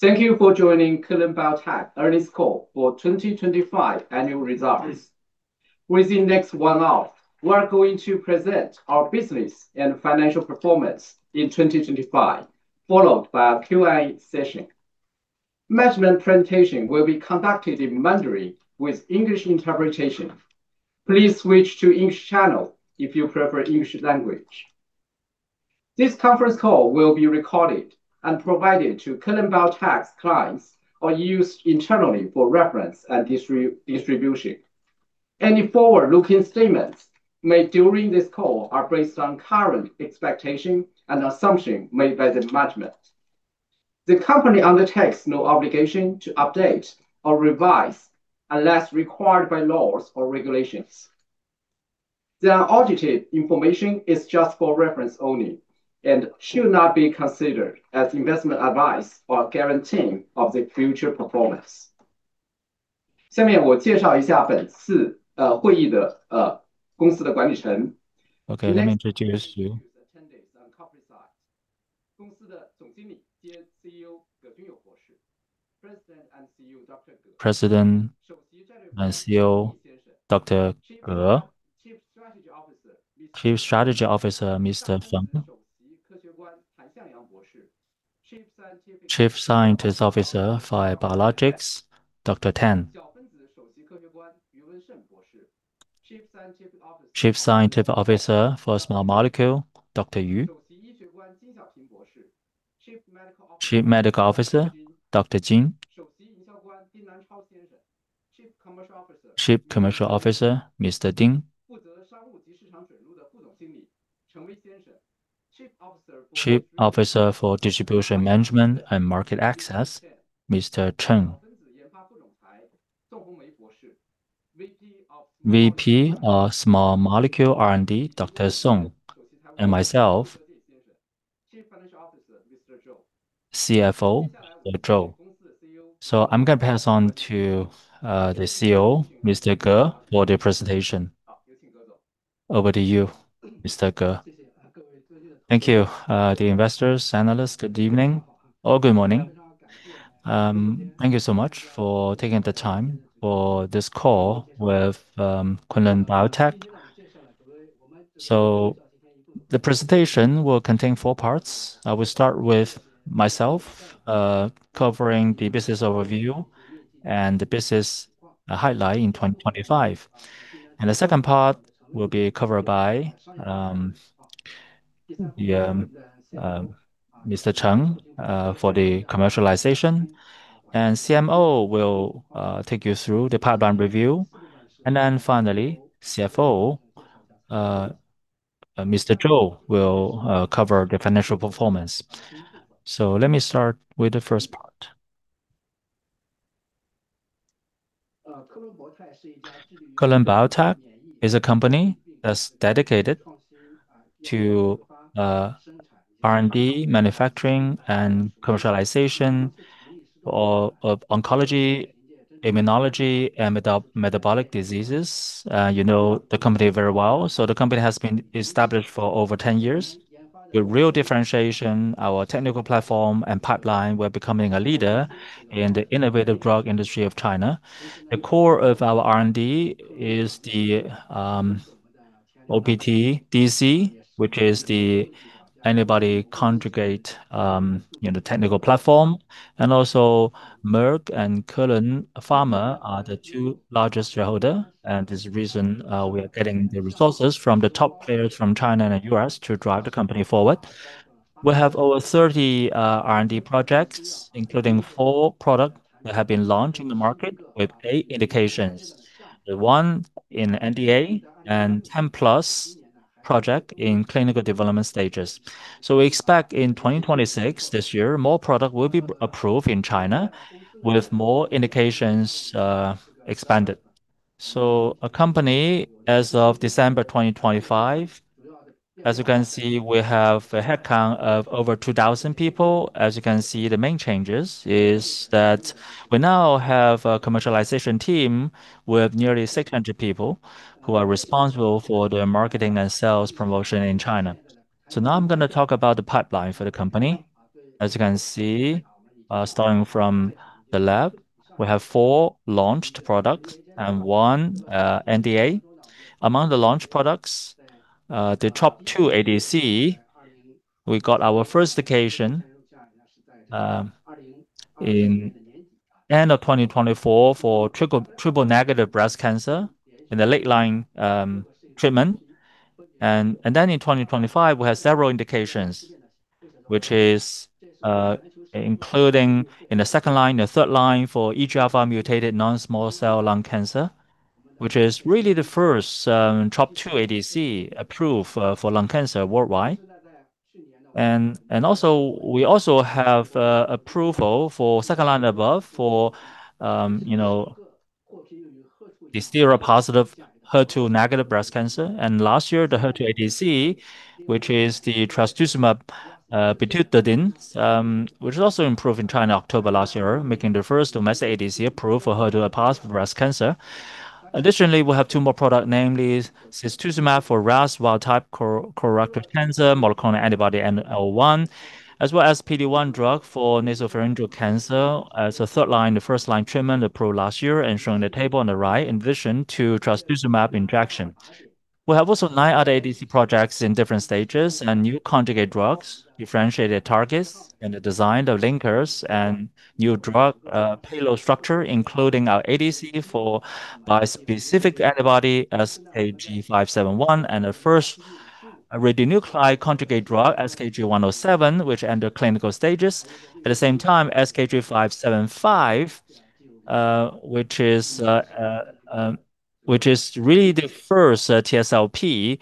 Thank you for joining Kelun-Biotech earnings call for 2025 annual results. Within next one hour, we are going to present our business and financial performance in 2025, followed by a Q&A session. Management presentation will be conducted in Mandarin with English interpretation. Please switch to English channel if you prefer English language. This conference call will be recorded and provided to Kelun-Biotech's clients or used internally for reference and distribution. Any forward-looking statements made during this call are based on current expectations and assumptions made by the management. The company undertakes no obligation to update or revise unless required by laws or regulations. The audited information is just for reference only and should not be considered as investment advice or guarantee of the future performance. Okay, let me introduce you. President and CEO, Dr. Ge. Chief Strategy Officer, Mr. Feng. Chief Scientist Officer for Biologics, Dr. Tan. Chief Scientific Officer for Small Molecule, Dr. Yu. Chief Medical Officer, Dr. Jin. Chief Commercial Officer, Mr. Ding. Chief Officer for Distribution Management and Market Access, Mr. Cheng. VP of Small Molecule R&D, Dr. Song. And myself, CFO, Mr. Zhou. I'm gonna pass on to the CEO, Mr. Ge, for the presentation. Over to you, Mr. Ge. Thank you. Investors, analysts, good evening or good morning. Thank you so much for taking the time for this call with Kelun-Biotech. The presentation will contain four parts. I will start with myself, covering the business overview and the business highlight in 2025. The second part will be covered by Mr. Tan for the commercialization. CMO will take you through the pipeline review. Then finally, CFO, Mr. Zhou, will cover the financial performance. Let me start with the first part. Kelun-Biotech is a company that's dedicated to R&D, manufacturing, and commercialization of oncology, immunology, and metabolic diseases. You know the company very well. The company has been established for over 10 years. The real differentiation, our technical platform and pipeline, we're becoming a leader in the innovative drug industry of China. The core of our R&D is the OptiDC, which is the antibody conjugate technical platform. Merck and Kelun Pharmaceutical are the two largest shareholder. This is the reason we are getting the resources from the top players from China and U.S. to drive the company forward. We have over 30 R&D projects, including four products that have been launched in the market with eight indications. The one in NDA and 10+ projects in clinical development stages. We expect in 2026, this year, more products will be approved in China with more indications expanded. Our company, as of December 2025, as you can see, we have a headcount of over 2,000 people. As you can see, the main changes is that we now have a commercialization team with nearly 600 people who are responsible for the marketing and sales promotion in China. Now I'm gonna talk about the pipeline for the company. As you can see, starting from the lab, we have four launched products and one NDA. Among the launched products, the TROP-2 ADC, we got our first indication in the end of 2024 for triple-negative breast cancer in the late-line treatment. Then in 2025, we have several indications, including in the second line, the third line for EGFR-mutated non-small cell lung cancer, which is really the first TROP-2 ADC approved for lung cancer worldwide. We have approval for second line above for, you know, the HR-positive HER2-negative breast cancer. Last year, the HER2 ADC, which is the trastuzumab botidotin, which was also approved in China in October last year, making the first domestic ADC approved for HER2-positive breast cancer. Additionally, we'll have two more products, namely cetuximab for RAS wild-type colorectal cancer, monoclonal antibody and L-one, as well as PD-1 drug for nasopharyngeal cancer as a third line, the first line treatment approved last year and shown in the table on the right in addition to trastuzumab injection. We have also nine other ADC projects in different stages and new conjugate drugs, differentiated targets in the design of linkers and new drug payload structure, including our ADC for bispecific antibody SKB571, and the first radionuclide conjugate drug, SKB107, which enter clinical stages. At the same time, SKB575, which is really the first TSLP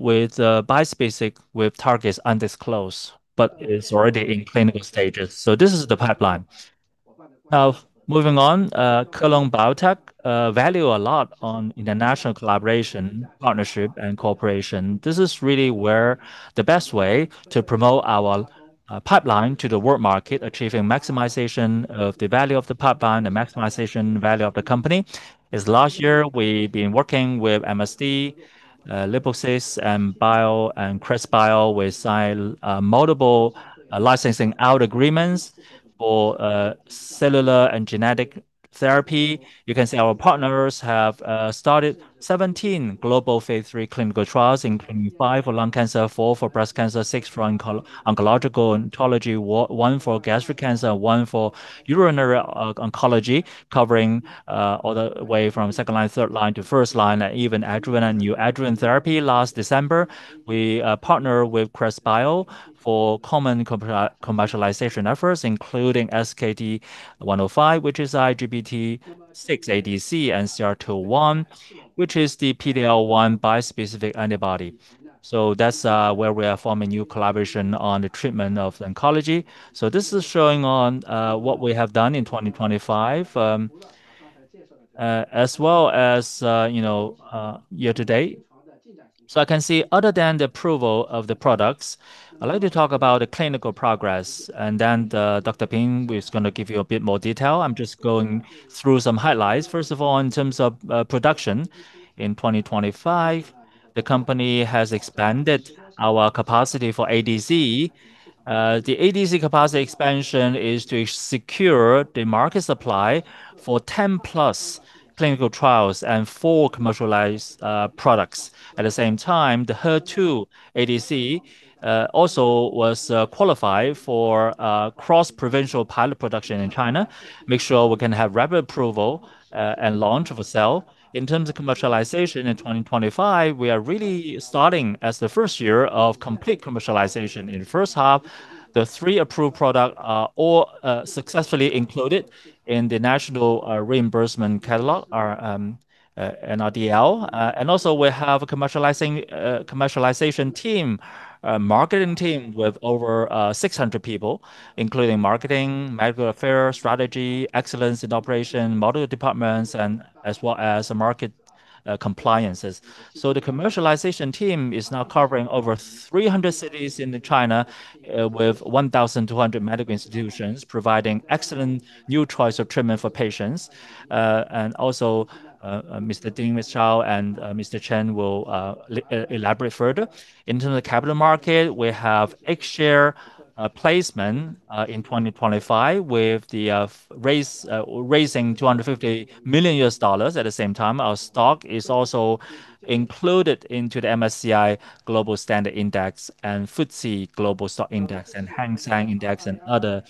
with a bispecific with targets undisclosed, but it's already in clinical stages. This is the pipeline. Now, moving on, Kelun-Biotech value a lot on international collaboration, partnership, and cooperation. This is really where the best way to promote our pipeline to the world market, achieving maximization of the value of the pipeline, the maximization value of the company is last year, we've been working with MSD, Liposys, and Bio, and Crescent Bio. We sign multiple licensing out agreements for cellular and genetic therapy. You can see our partners have started 17 global phase III clinical trials, including five for lung cancer, four for breast cancer, six for oncology, one for gastric cancer, one for urinary oncology, covering all the way from second line, third line to first line, even adjuvant and neoadjuvant therapy. Last December, we partner with Crescent Bio for common commercialization efforts, including SKB105, which is ITGB6 ADC and CR-001, which is the PD-L1 bispecific antibody. That's where we are forming new collaboration on the treatment of oncology. This is showing on what we have done in 2025, as well as, you know, year to date. I can see other than the approval of the products, I'd like to talk about the clinical progress, and then the Dr. Jin is gonna give you a bit more detail. I'm just going through some highlights. First of all, in terms of production, in 2025, the company has expanded our capacity for ADC. The ADC capacity expansion is to secure the market supply for 10+ clinical trials and four commercialized products. At the same time, the HER2 ADC also was qualified for cross-provincial pilot production in China, make sure we can have rapid approval and launch and sale. In terms of commercialization in 2025, we are really starting as the first year of complete commercialization. In the first half, the three approved products are all successfully included in the national reimbursement catalog, NRDL. We have a commercialization team, a marketing team with over 600 people, including marketing, medical affairs, strategy, excellence in operation, module departments, and as well as market compliances. The commercialization team is now covering over 300 cities in China with 1,200 medical institutions providing excellent new choice of treatment for patients. Mr. Ding, Mr. Zhou, and Mr. Chen will elaborate further. Into the capital market, we have H-share placement in 2025 with the raising $250 million. At the same time, our stock is also included into the MSCI Global Standard Index and FTSE Global Equity Index Series and Hang Seng Index and other,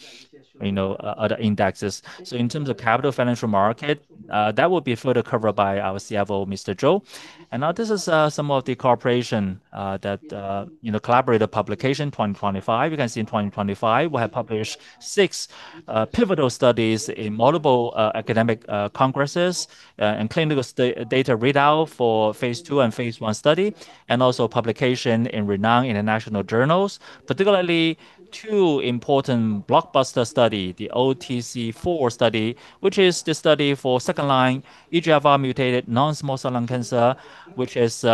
you know, other indexes. In terms of capital financial market, that will be further covered by our CFO, Mr. Zhou. Now this is some of the cooperation that you know collaborative publication 2025. You can see in 2025, we have published six pivotal studies in multiple academic congresses and clinical data readout for phase II and phase I study, and also publication in renowned international journals, particularly two important blockbuster study, the OptiTROP-Lung04 study, which is the study for second-line EGFR-mutated non-small cell lung cancer, which is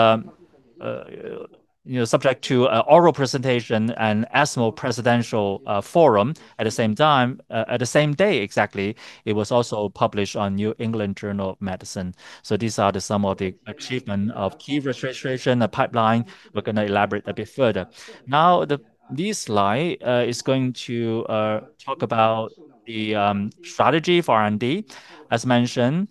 you know subject to an oral presentation and ESMO Presidential Forum at the same time. On the same day exactly, it was also published in The New England Journal of Medicine. These are some of the achievement of key registration, the pipeline. We're gonna elaborate a bit further. Now, this slide is going to talk about the strategy for R&D. As mentioned,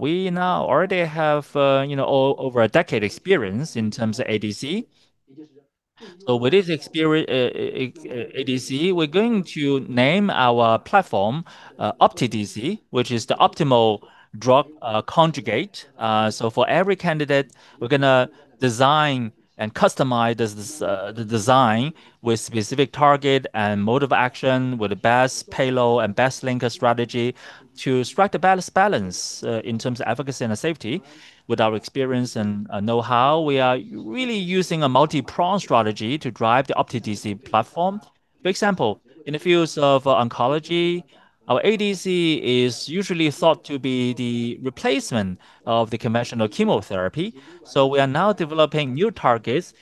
we now already have, you know, over a decade experience in terms of ADC. With this ADC, we're going to name our platform OptiDC, which is the optimal drug conjugate. For every candidate, we're gonna design and customize this design with specific target and mode of action with the best payload and best linker strategy to strike the balance in terms of efficacy and safety. With our experience and know-how, we are really using a multi-pronged strategy to drive the OptiDC platform. For example, in the fields of oncology, our ADC is usually thought to be the replacement of the conventional chemotherapy. We are now developing new targets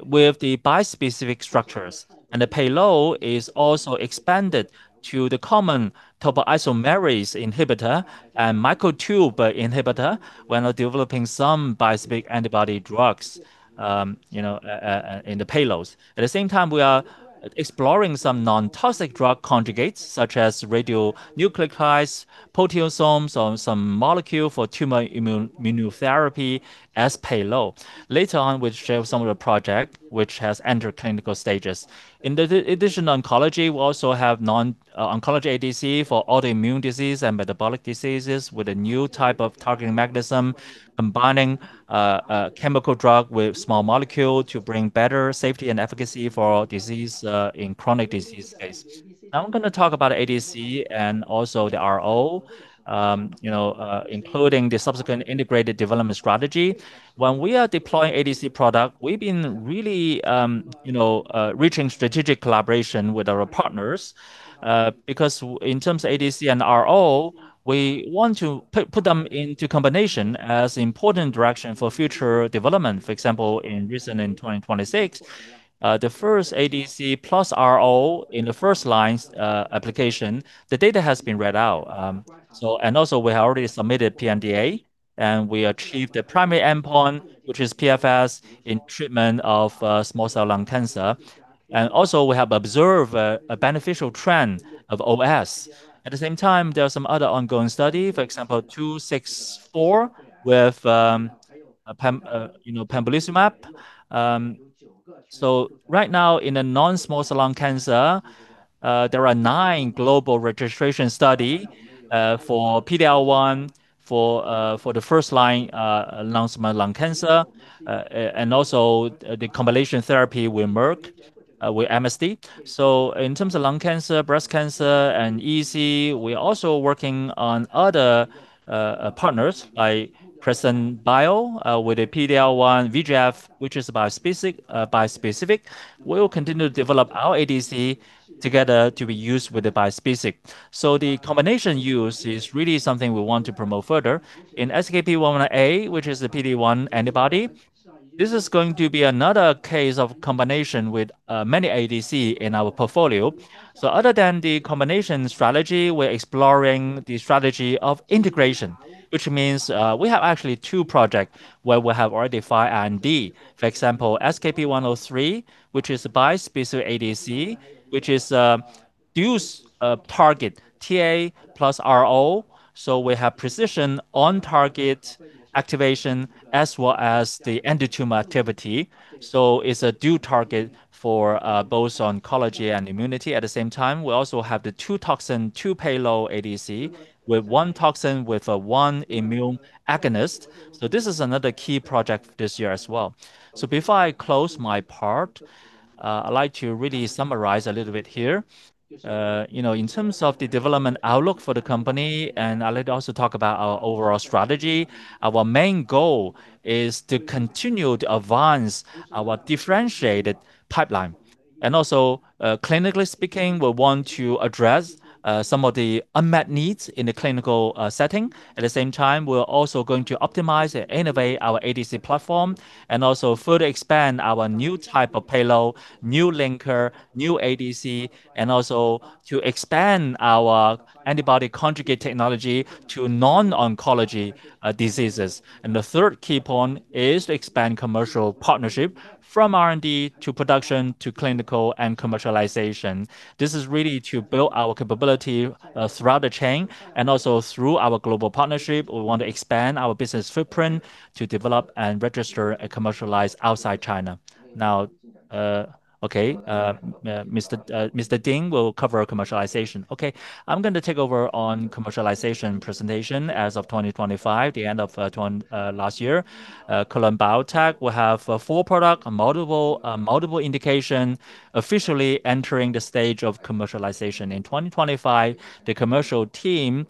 with the bispecific structures. The payload is also expanded to the common topoisomerase inhibitor and microtubule inhibitor when developing some bispecific antibody drugs, you know, in the payloads. At the same time, we are exploring some non-toxic drug conjugates such as radionuclides, proteasomes, or some molecule for tumor immunotherapy as payload. Later on, we'll share some of the project which has entered clinical stages. In addition to oncology, we also have non-oncology ADC for autoimmune disease and metabolic diseases with a new type of targeting mechanism, combining a chemical drug with small molecule to bring better safety and efficacy for disease in chronic disease states. Now I'm going to talk about ADC and also the R&D, you know, including the subsequent integrated development strategy. When we are deploying ADC product, we've been really, you know, reaching strategic collaboration with our partners. Because in terms of ADC and IO, we want to put them into combination as important direction for future development. For example, in 2026, the first ADC plus IO in the first-line application, the data has been read out. We have already submitted NDA, and we achieved a primary endpoint, which is PFS, in treatment of small cell lung cancer. We have observed a beneficial trend of OS. At the same time, there are some other ongoing study, for example, 264 with pembrolizumab. Right now in non-small cell lung cancer, there are nine global registration studies for PD-L1 for the first-line non-small cell lung cancer and also the combination therapy with Merck with MSD. In terms of lung cancer, breast cancer, and EC, we're also working on other partners like Crescent Bio with a PD-L1/VEGF, which is a bispecific. We will continue to develop our ADC together to be used with the bispecific. The combination use is really something we want to promote further. In SKB10A, which is the PD-1 antibody, this is going to be another case of combination with many ADC in our portfolio. Other than the combination strategy, we're exploring the strategy of integration, which means, we have actually two projects where we have already filed R&D. For example, SKB103, which is a bispecific ADC, which is a dual target, TA plus RO. We have precision on target activation as well as the antitumor activity. It's a dual target for both oncology and immunity. At the same time, we also have the two toxin, two payload ADC with one toxin with one immune agonist. This is another key project this year as well. Before I close my part, I'd like to really summarize a little bit here. You know, in terms of the development outlook for the company, and I'd like to also talk about our overall strategy, our main goal is to continue to advance our differentiated pipeline. Also, clinically speaking, we want to address some of the unmet needs in the clinical setting. At the same time, we're also going to optimize and innovate our ADC platform and also further expand our new type of payload, new linker, new ADC, and also to expand our antibody conjugate technology to non-oncology diseases. The third key point is to expand commercial partnership from R&D to production to clinical and commercialization. This is really to build our capability throughout the chain and also through our global partnership. We want to expand our business footprint to develop and register and commercialize outside China. Now, Mr. Ding will cover commercialization. Okay, I'm going to take over on commercialization presentation. As of 2025, the end of last year, Kelun-Biotech will have four products, multiple indications officially entering the stage of commercialization. In 2025, the commercial team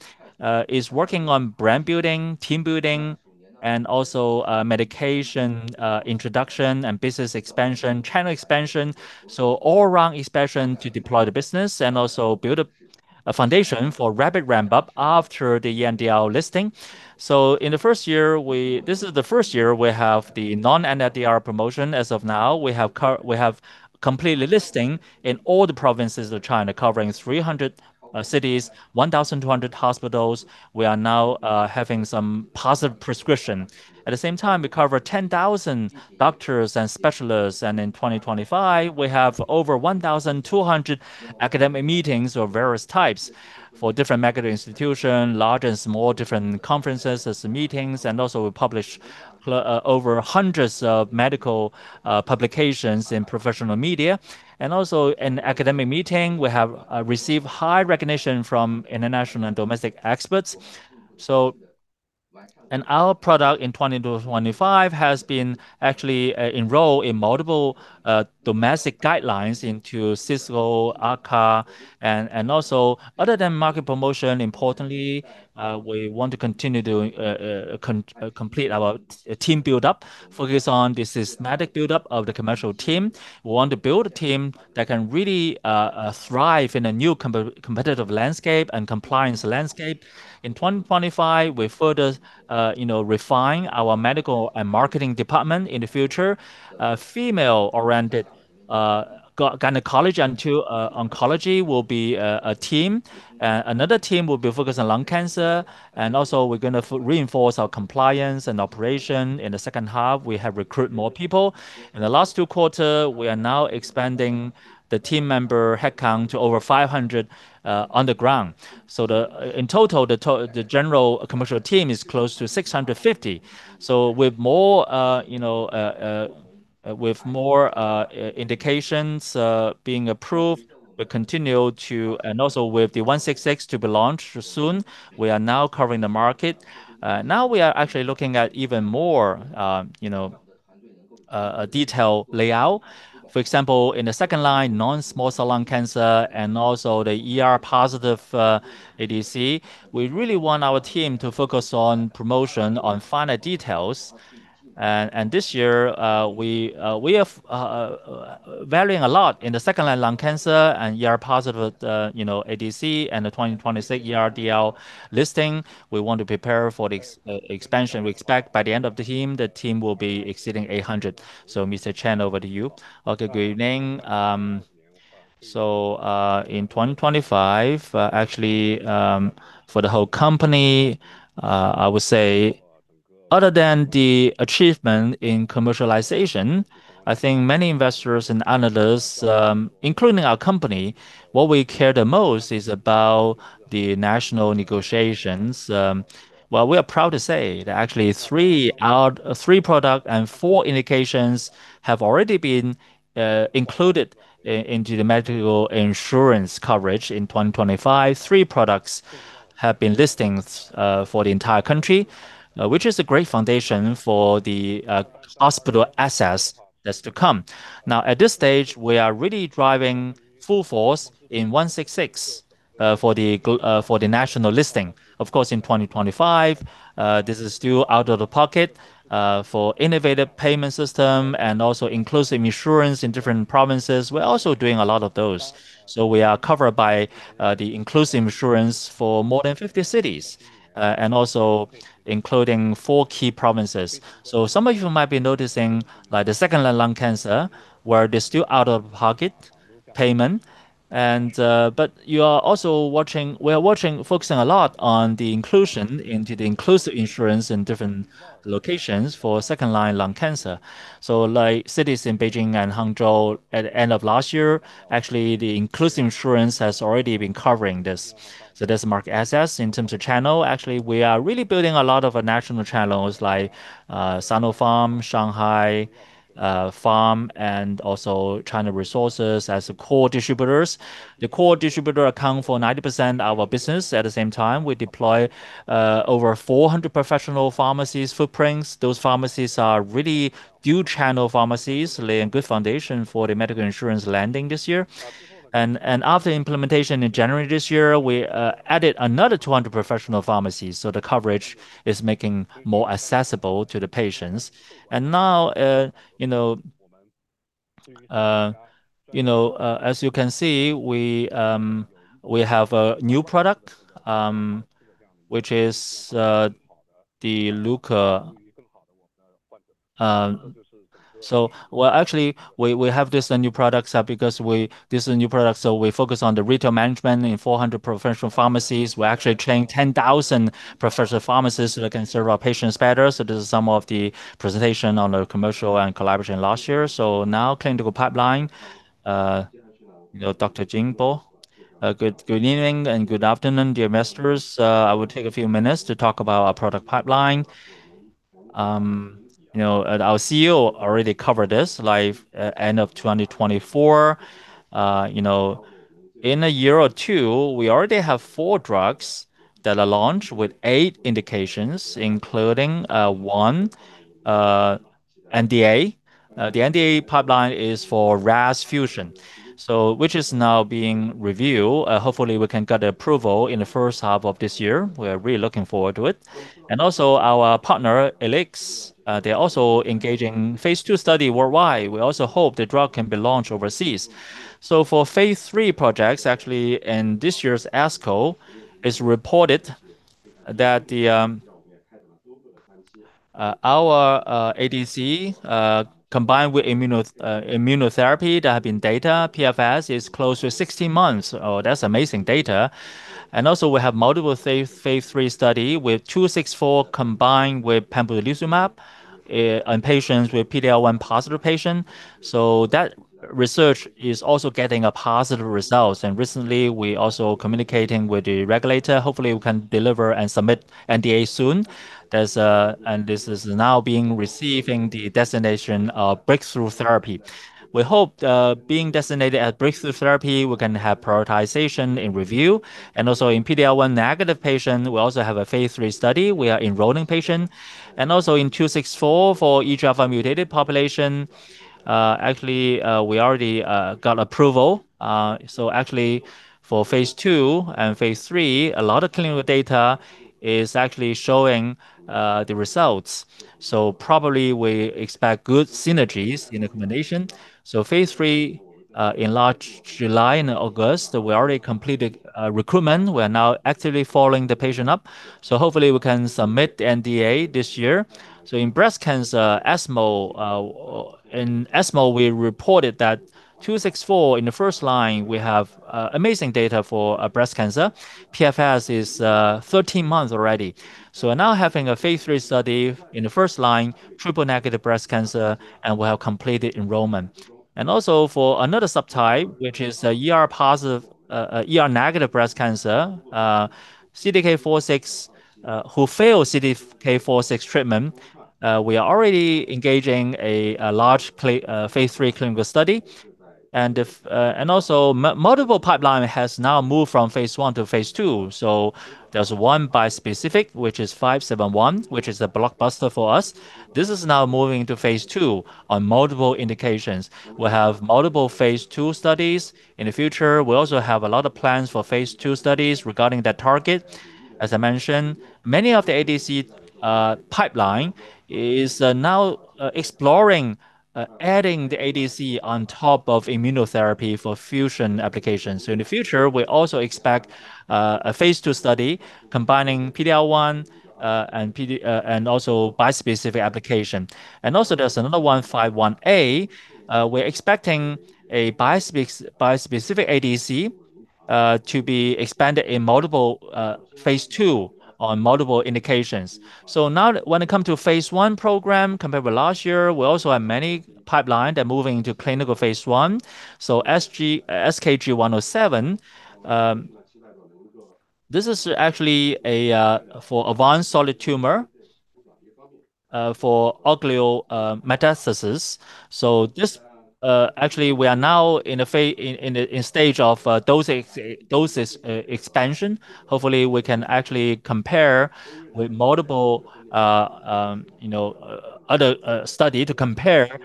is working on brand building, team building, and also medication introduction and business expansion, channel expansion. All around expansion to deploy the business and also build a foundation for rapid ramp-up after the NRDL listing. In the first year, this is the first year we have the non-NRDL promotion as of now. We have complete listing in all the provinces of China, covering 300 cities, 1,200 hospitals. We are now having some positive prescriptions. At the same time, we cover 10,000 doctors and specialists. In 2025, we have over 1,200 academic meetings of various types for different medical institutions, large and small, different conferences as meetings. We also publish over hundreds of medical publications in professional media. In academic meetings, we have received high recognition from international and domestic experts. Our product in 2020-2025 has been actually enrolled in multiple domestic guidelines in CSCO, AACR, and also other than market promotion, importantly, we want to continue to complete our team build-up, focus on the systematic build-up of the commercial team. We want to build a team that can really thrive in a new competitive landscape and compliance landscape. In 2025, we further refine our medical and marketing department in the future. A female-oriented gynecology and oncology will be a team. Another team will be focused on lung cancer, and also we're gonna reinforce our compliance and operations. In the second half, we have recruited more people. In the last two quarters, we are now expanding the team member headcount to over 500 on the ground. In total, the general commercial team is close to 650. With more indications being approved, we continue to, and also with the A166 to be launched soon, we are now covering the market. Now we are actually looking at even more detailed layout. For example, in the second-line non-small cell lung cancer and also the ER positive ADC, we really want our team to focus on promotion on finer details. This year, we have varying a lot in the second-line lung cancer and ER positive, you know, ADC, and the 2026 NRDL listing. We want to prepare for the expansion. We expect by the end of the year, the team will be exceeding 800. Mr. Chen, over to you. Okay, good evening. In 2025, actually, for the whole company, I would say other than the achievement in commercialization, I think many investors and analysts, including our company, what we care the most is about the national negotiations. Well, we are proud to say that actually three products and four indications have already been included into the medical insurance coverage in 2025. Three products have been listed for the entire country, which is a great foundation for the hospital access that's to come. Now, at this stage, we are really driving full force in 166 for the national listing. Of course, in 2025, this is still out-of-pocket for innovative payment system and also inclusive insurance in different provinces. We are also doing a lot of those. We are covered by the inclusive insurance for more than 50 cities, and also including four key provinces. Some of you might be noticing like the second line lung cancer, where there's still out-of-pocket payment and, but we are watching, focusing a lot on the inclusion into the inclusive insurance in different locations for second line lung cancer. Like cities in BeiJing and Hangzhou at the end of last year, actually, the inclusive insurance has already been covering this. That's market access. In terms of channel, actually, we are really building a lot of national channels like, Sinopharm, Shanghai Pharm, and also China Resources as the core distributors. The core distributor accounts for 90% of our business. At the same time, we deploy, over 400 professional pharmacies footprints. Those pharmacies are really few channel pharmacies, laying good foundation for the medical insurance landing this year. After implementation in January this year, we added another 200 professional pharmacies, so the coverage is making more accessible to the patients. As you can see, we have a new product, which is the Luca. Actually, we have this new products because this is a new product, so we focus on the retail management in 400 professional pharmacies. We're actually training 10,000 professional pharmacists that can serve our patients better. This is some of the presentation on the commercial and collaboration last year. Now clinical pipeline, Dr. Jinbo. Good evening and good afternoon, dear investors. I will take a few minutes to talk about our product pipeline. You know, our CEO already covered this, like, end of 2024. You know, in a year or two, we already have 4 drugs that are launched with eight indications, including one NDA. The NDA pipeline is for RAS fusion, so which is now being reviewed. Hopefully, we can get approval in the first half of this year. We're really looking forward to it. Also our partner, Ellipses, they're also engaging phase II study worldwide. We also hope the drug can be launched overseas. For phase III projects, actually, in this year's ASCO, it's reported that the our ADC combined with immuno, immunotherapy, there have been data. PFS is close to 16 months. That's amazing data. We also have multiple phase III studies with two six four combined with pembrolizumab on patients with PD-L1-positive patients. That research is also getting positive results. Recently, we are also communicating with the regulator. Hopefully, we can deliver and submit NDA soon. This is now receiving the designation of breakthrough therapy. We hope being designated as breakthrough therapy, we can have prioritization in review. In PD-L1-negative patients, we also have a phase III study. We are enrolling patients. In two six four for EGFR-mutated population, actually, we already got approval. Actually, for phase II and phase III, a lot of clinical data is actually showing the results. Probably we expect good synergies in a combination. Phase III in last July and August, we already completed recruitment. We are now actively following the patient up so hopefully we can submit the NDA this year. In breast cancer, ESMO, or in ESMO, we reported that SKB264 in the first line, we have amazing data for breast cancer. PFS is 13 months already. We're now having a phase III study in the first line, triple negative breast cancer, and we have completed enrollment. Also for another subtype, which is ER-positive, ER-negative breast cancer, CDK4/6 who fail CDK4/6 treatment, we are already engaging a large phase III clinical study. Multiple pipeline has now moved from phase I to phase II, so there's one bispecific, which is 571, which is a blockbuster for us. This is now moving to phase II on multiple indications. We have multiple phase II studies. In the future, we also have a lot of plans for phase II studies regarding that target. As I mentioned, many of the ADC pipeline is now exploring adding the ADC on top of immunotherapy for fusion applications. In the future, we also expect a phase II study combining PD-L1 and bispecific application. There's another 151A. We're expecting a bispecific ADC to be expanded in multiple phase II on multiple indications. Now that when it comes to phase I program compared with last year, we also have many pipeline that move into clinical phase I. SKB107, this is actually a for advanced solid tumor for oligometastasis. This actually we are now in a stage of dosage expansion. Hopefully, we can actually compare with multiple you know other study to compare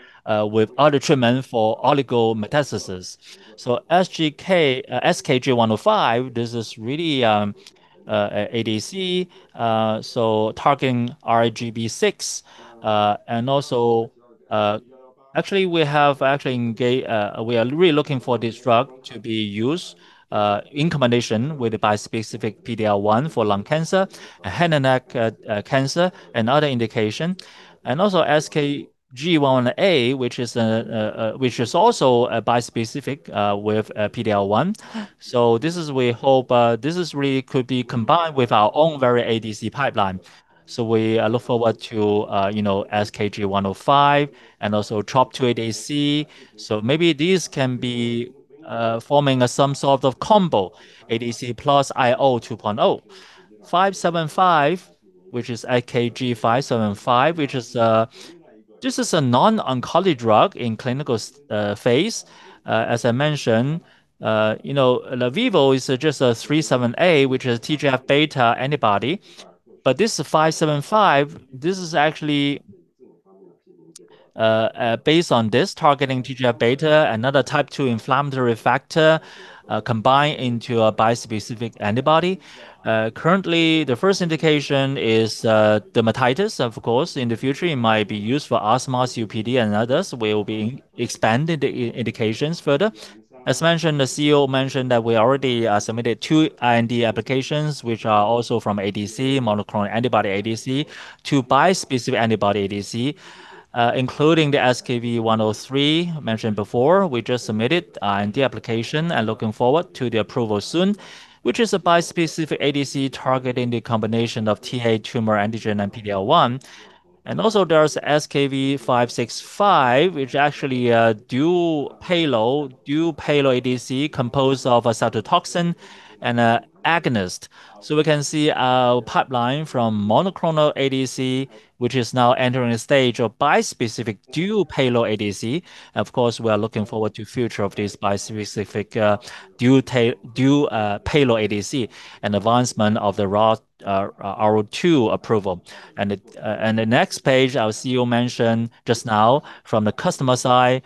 with other treatment for oligometastasis. SKB105, this is really an ADC so targeting ITGB6. And also, actually we have we are really looking for this drug to be used in combination with the bispecific PD-L1 for lung cancer, head and neck cancer and other indication. Also SKB1A, which is also a bispecific with PD-L1. This is, we hope, really could be combined with our own very ADC pipeline. We look forward to, you know, SKB105 and also TROP2 ADC. Maybe this can be forming some sort of combo, ADC plus IO 2.0. 575, which is SKB575, which is this is a non-oncology drug in clinical phase. As I mentioned, you know, Livivo is just a 37A, which is TGF-beta antibody. But this 575, this is actually based on this targeting TGF-beta, another type 2 inflammatory factor combined into a bispecific antibody. Currently the first indication is dermatitis. Of course, in the future it might be used for asthma, COPD and others. We will be expanding the indications further. As mentioned, the CEO mentioned that we already submitted two IND applications which are also from ADC, monoclonal antibody ADC to bispecific antibody ADC, including the SKB103 mentioned before. We just submitted IND application and looking forward to the approval soon, which is a bispecific ADC targeting the combination of the tumor antigen and PD-L1. There's SKB565, which actually a dual payload ADC composed of a cytotoxin and a agonist. We can see our pipeline from monoclonal ADC, which is now entering a stage of bispecific dual payload ADC. Of course, we are looking forward to future of this bispecific dual payload ADC and advancement of the R&D to approval. The next page our CEO mentioned just now from the customer side,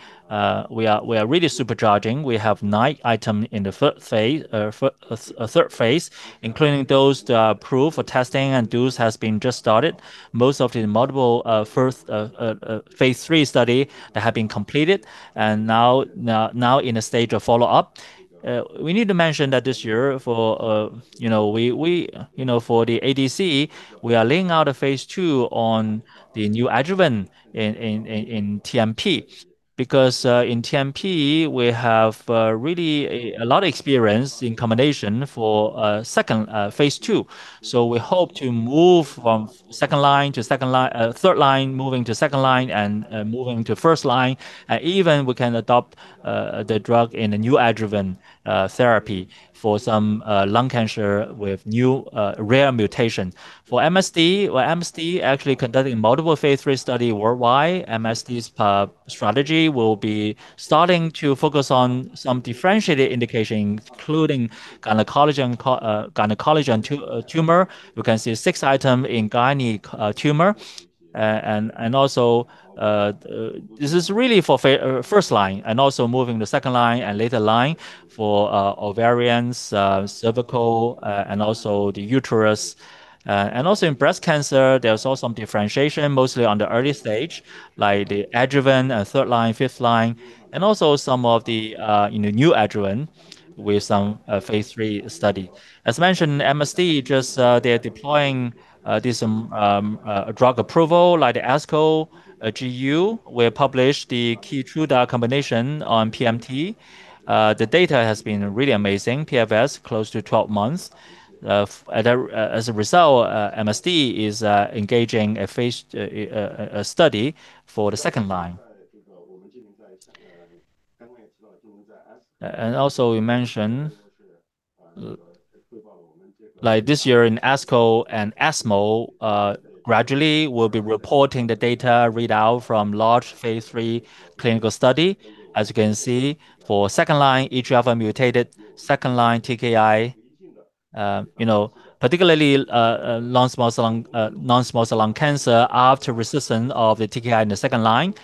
we are really supercharging. We have nine items in phase III, including those that are approved for testing and dosing has just started. Most of the multiple first phase III studies that have been completed and now in a stage of follow-up. We need to mention that this year, you know, for the ADC, we are laying out a phase II on the neoadjuvant in TMT. Because in TMT, we have really a lot of experience in combination for second phase II. We hope to move from second line to third line, moving to second line and moving to first line. Even we can adopt the drug in a neoadjuvant therapy for some lung cancer with new rare mutation. For MSD actually conducting multiple phase III study worldwide. MSD's strategy will be starting to focus on some differentiated indication, including gynecology and gynecology and tumor. We can see six items in gynecologic tumor. This is really for first line and also moving to second line and later line for ovarian, cervical, and also the uterus. In breast cancer, there's also some differentiation, mostly on the early stage, like the adjuvant, third line, fifth line, and also some of the, you know, neo-adjuvant with some phase III study. As mentioned, MSD just they are deploying this drug approval like the ASCO GU. We have published the Keytruda combination on TMT. The data has been really amazing, PFS close to 12 months. As a result, MSD is engaging a phase III study for the second line. You mentioned, like this year in ASCO and ESMO, gradually we'll be reporting the data readout from large phase III clinical study. As you can see, for second-line EGFR mutated, second-line TKI, you know, particularly, non-small cell lung cancer after resistance to the TKI in the second line,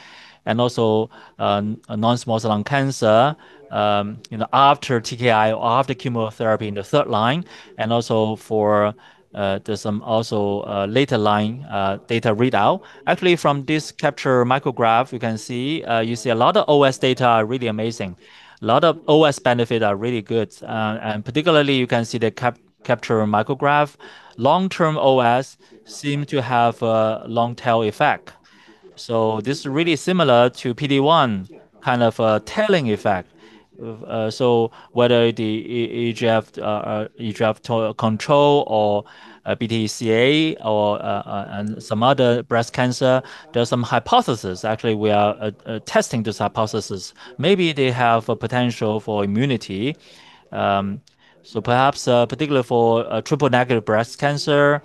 and also, non-small cell lung cancer, you know, after TKI or after chemotherapy in the third line, and also for, there's some later line data readout. Actually, from this Sketcher Micrograph you can see, you see a lot of OS data are really amazing. A lot of OS benefits are really good. Particularly, you can see the Sketcher Micrograph, long-term OS seem to have a long tail effect. This is really similar to PD-1 kind of tailing effect, so whether the anti-EGFR, EGFR control or BDCA or and some other breast cancer, there's some hypothesis. Actually, we are testing this hypothesis. Maybe they have a potential for immunity. So perhaps particularly for triple-negative breast cancer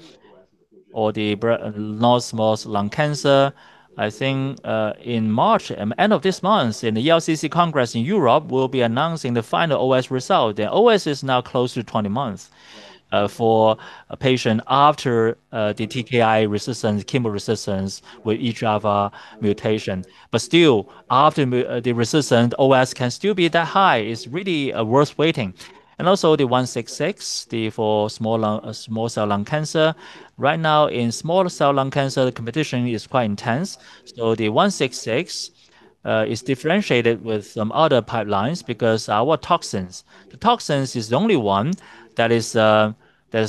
or non-small cell lung cancer, I think, in March, end of this month in the ELCC in Europe, we'll be announcing the final OS result. The OS is now close to 20 months for a patient after the TKI resistance, chemo resistance with EGFR mutation. Still, after the resistance, OS can still be that high. It's really worth waiting. Also the 166 for small cell lung cancer. Right now in small cell lung cancer, the competition is quite intense, so the 166 is differentiated with some other pipelines because our toxin. The toxin is the only one that is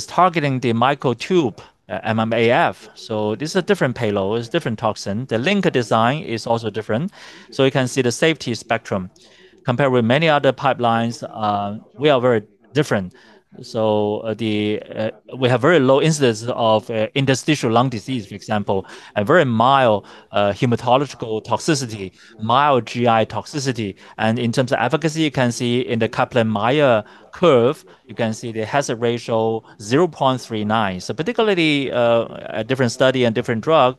targeting the microtubule MMAF. This is a different payload, it's different toxin. The linker design is also different, so you can see the safety spectrum. Compared with many other pipelines, we are very different. The, we have very low incidence of interstitial lung disease, for example, a very mild hematological toxicity, mild GI toxicity. In terms of efficacy, you can see in the Kaplan-Meier curve, you can see the hazard ratio 0.39. Particularly, a different study and different drug,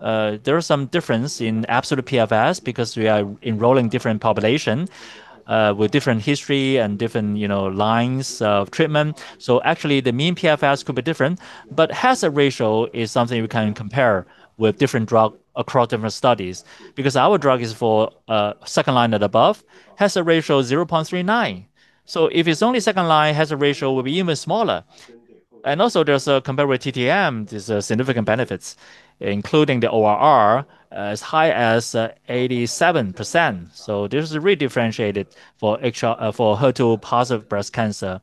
there are some difference in absolute PFS because we are enrolling different population with different history and different, you know, lines of treatment. Actually, the mean PFS could be different, but hazard ratio is something we can compare with different drug across different studies. Because our drug is for second line and above, hazard ratio is 0.39. If it's only second line, hazard ratio will be even smaller. Also, there's a comparison with TTM, significant benefits, including the ORR as high as 87%. This is really differentiated for HR- for HER2-positive breast cancer.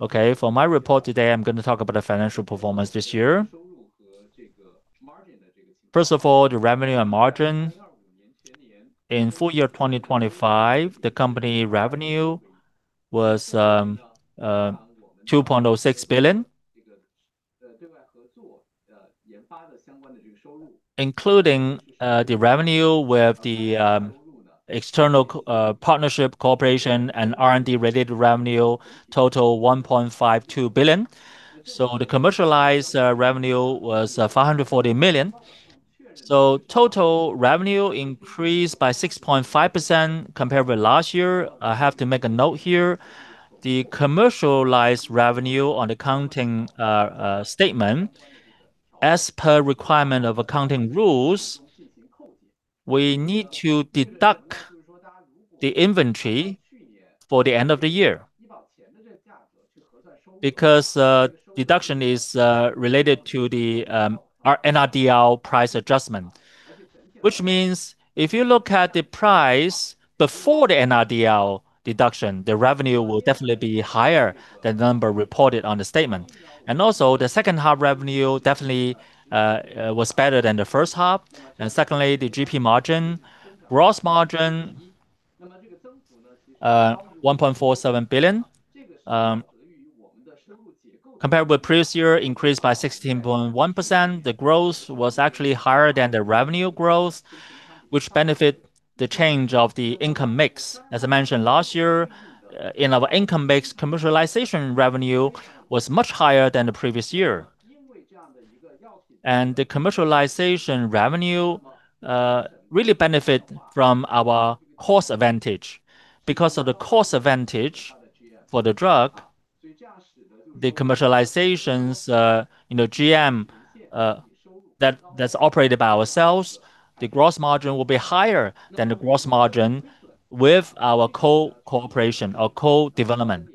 Okay. For my report today, I'm gonna talk about the financial performance this year. First of all, the revenue and margin. In full year 2025, the company revenue was CNY 2.06 billion, including the revenue with the external cooperation, partnership, and R&D related revenue total 1.52 billion. The commercialized revenue was 540 million. Total revenue increased by 6.5% compared with last year. I have to make a note here. The commercialized revenue on accounting statement, as per requirement of accounting rules, we need to deduct the inventory for the end of the year because deduction is related to our NRDL price adjustment. Which means if you look at the price before the NRDL deduction, the revenue will definitely be higher than number reported on the statement. Also, the second half revenue definitely was better than the first half. Secondly, the GP margin. Gross margin, 1.47 billion, compared with previous year increased by 16.1%. The growth was actually higher than the revenue growth, which benefit the change of the income mix. As I mentioned last year, in our income mix, commercialization revenue was much higher than the previous year. The commercialization revenue really benefits from our cost advantage. Because of the cost advantage for the drug, the commercializations, you know, GM, that's operated by ourselves, the gross margin will be higher than the gross margin with our co-commercialization or co-development.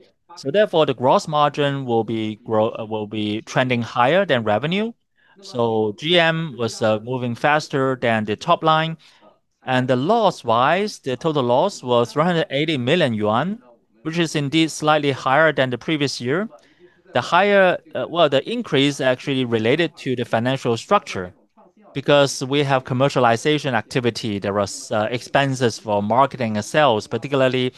Therefore, the gross margin will be trending higher than revenue. GM was moving faster than the top line. The loss-wise, the total loss was 380 million yuan, which is indeed slightly higher than the previous year. The higher, well, the increase actually related to the financial structure because we have commercialization activity. There was expenses for marketing and sales, particularly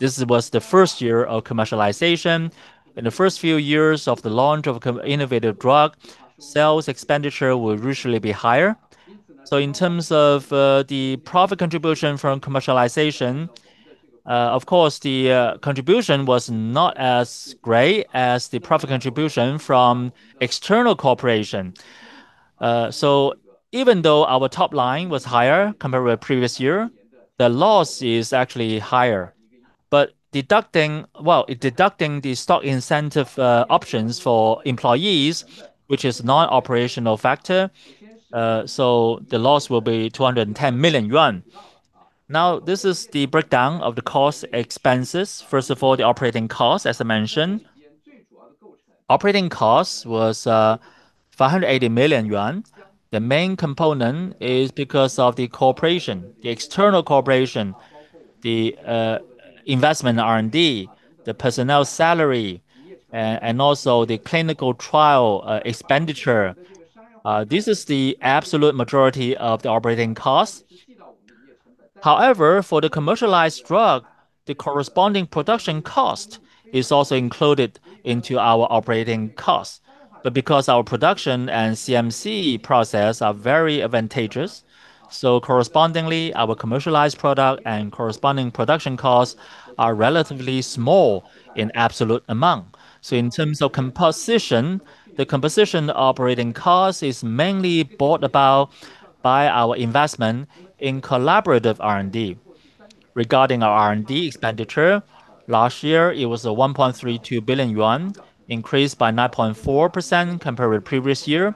this was the first year of commercialization. In the first few years of the launch of innovative drug, sales expenditure will usually be higher. In terms of the profit contribution from commercialization, of course, the contribution was not as great as the profit contribution from external cooperation. Even though our top line was higher compared with previous year, the loss is actually higher. Deducting the stock incentive options for employees, which is non-operational factor, the loss will be 210 million yuan. Now, this is the breakdown of the cost expenses. First of all, the operating cost, as I mentioned. Operating cost was 580 million yuan. The main component is because of the cooperation, the external cooperation, the investment R&D, the personnel salary, and also the clinical trial expenditure. This is the absolute majority of the operating costs. However, for the commercialized drug, the corresponding production cost is also included into our operating costs. Because our production and CMC process are very advantageous, correspondingly, our commercialized product and corresponding production costs are relatively small in absolute amount. In terms of composition, the composition operating cost is mainly brought about by our investment in collaborative R&D. Regarding our R&D expenditure, last year it was 1.32 billion yuan, increased by 9.4% compared with previous year.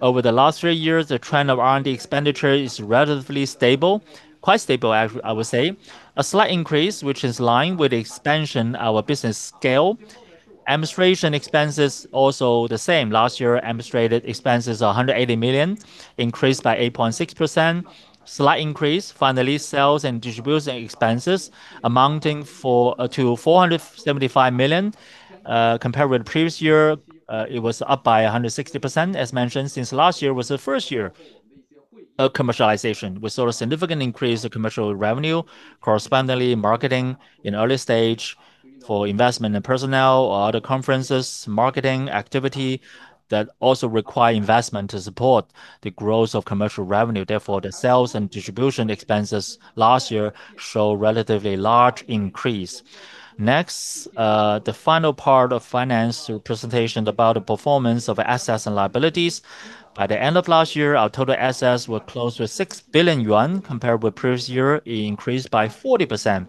Over the last three years, the trend of R&D expenditure is relatively stable, quite stable, I would say. A slight increase, which is in line with the expansion our business scale. Administration expenses, also the same. Last year, administrative expenses, 180 million, increased by 8.6%, slight increase. Finally, sales and distribution expenses amounting to 475 million, compared with previous year, it was up by 160%, as mentioned, since last year was the first year of commercialization. We saw a significant increase of commercial revenue, correspondingly marketing in early stage for investment in personnel or other conferences, marketing activity that also require investment to support the growth of commercial revenue. Therefore, the sales and distribution expenses last year show relatively large increase. Next, the final part of financial presentation about the performance of assets and liabilities. By the end of last year, our total assets were close to 6 billion yuan, compared with previous year, it increased by 40%.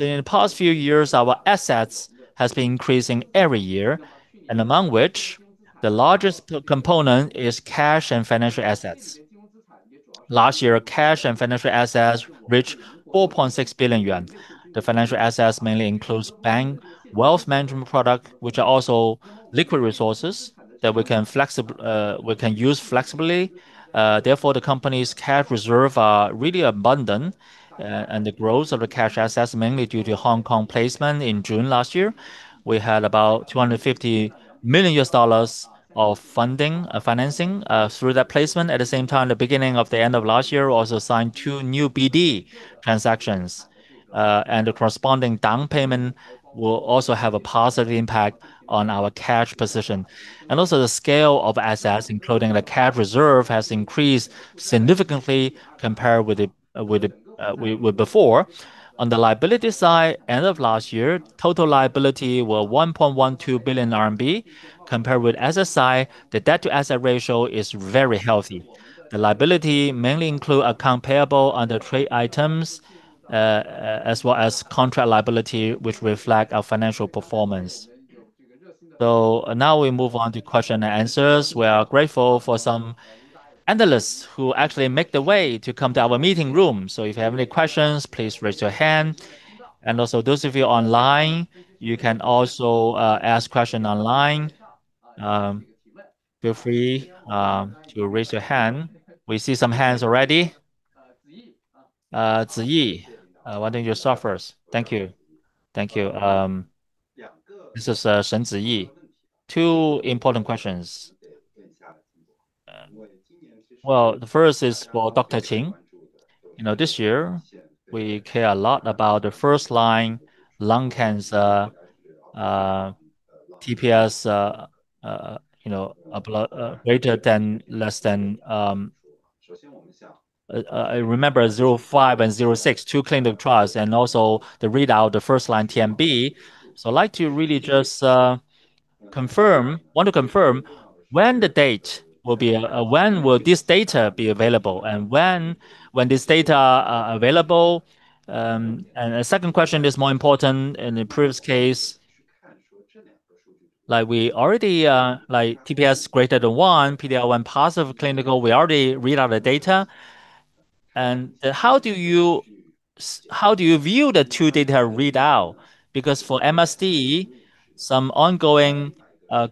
In the past few years, our assets has been increasing every year, and among which the largest component is cash and financial assets. Last year, cash and financial assets reached 4.6 billion yuan. The financial assets mainly include bank, wealth management products, which are also liquid resources that we can use flexibly. Therefore, the company's cash reserves are really abundant, and the growth of the cash assets mainly due to Hong Kong placement in June last year. We had about $250 million of financing through that placement. At the same time, at the end of last year, we also signed two new BD transactions, and the corresponding down payments will also have a positive impact on our cash position. The scale of assets, including the cash reserve, has increased significantly compared with before. On the liability side, end of last year, total liability were 1.12 billion RMB. Compared with asset side, the debt-to-asset ratio is very healthy. The liability mainly include accounts payable under trade items, as well as contract liability, which reflect our financial performance. Now we move on to questions and answers. We are grateful for some analysts who actually made their way to come to our meeting room. If you have any questions, please raise your hand. Also those of you online, you can also ask questions online. Feel free to raise your hand. We see some hands already. Ziyi, why don't you start first? Thank you. This is Shen Ziyi. Two important questions. Well, the first is for Dr. Jin. You know, this year we care a lot about the first-line lung cancer, TPS, you know, greater than, less than. I remember 05 and 06, two clinical trials, and also the readout, the first-line TMB. I'd like to really just confirm, want to confirm when will this data be available, and when this data available. A second question is more important in the previous case. Like we already, like TPS greater than one, PD-L1 positive clinical, we already read out the data. How do you view the two data readout? Because for MSD, some ongoing,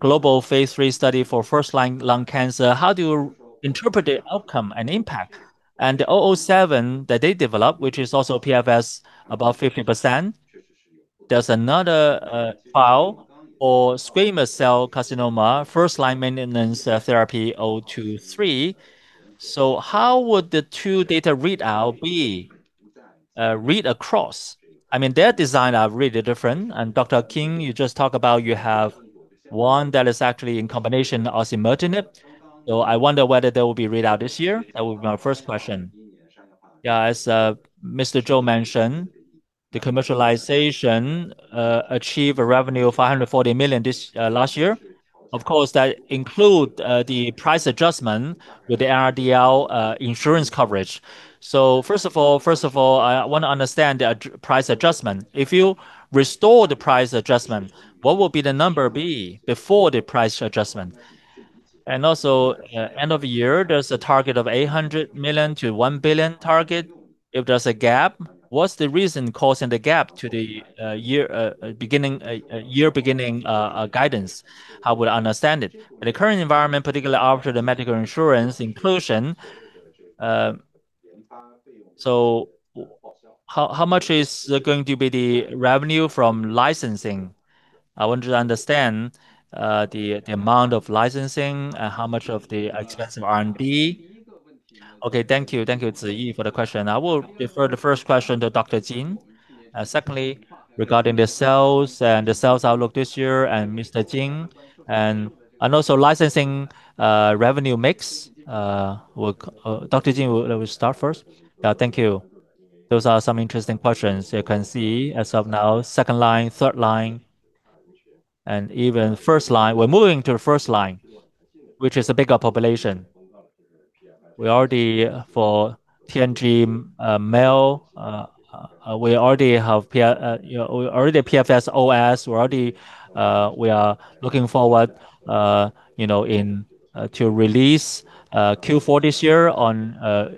global phase III study for first-line lung cancer, how do you interpret the outcome and impact? 007 that they developed, which is also PFS above 50%. There's another trial for squamous cell carcinoma, first-line maintenance therapy, O23. How would the two data readout be read across? I mean, their design are really different. Dr. Jin, you just talk about you have one that is actually in combination osimertinib. I wonder whether they will be read out this year. That would be my first question. Yeah, as Mr. Zhou mentioned, the commercialization achieved a revenue of 540 million last year. Of course, that include the price adjustment with the NRDL insurance coverage. First of all, I want to understand the NRDL-price adjustment. If you restore the price adjustment, what will the number be before the price adjustment? Also, end of year, there's a target of 800 million-1 billion. If there's a gap, what's the reason causing the gap to the year beginning guidance? How would I understand it? In the current environment, particularly after the medical insurance inclusion, so how much is going to be the revenue from licensing? I want to understand the amount of licensing and how much of the expensive R&D. Okay, thank you. Thank you, Ziyi, for the question. I will defer the first quetion to Dr. Jin. Secondly, regarding the sales and the sales outlook this year and Mr. Ding and also licensing revenue mix, we'll. Dr. Jin will start first. Yeah, thank you. Those are some interesting questions. You can see as of now, second line, third line, and even first line. We're moving to the first line, which is a bigger population. We already have PR for TNBC, ML, you know, PFS OS. We are looking forward, you know, to release Q4 this year on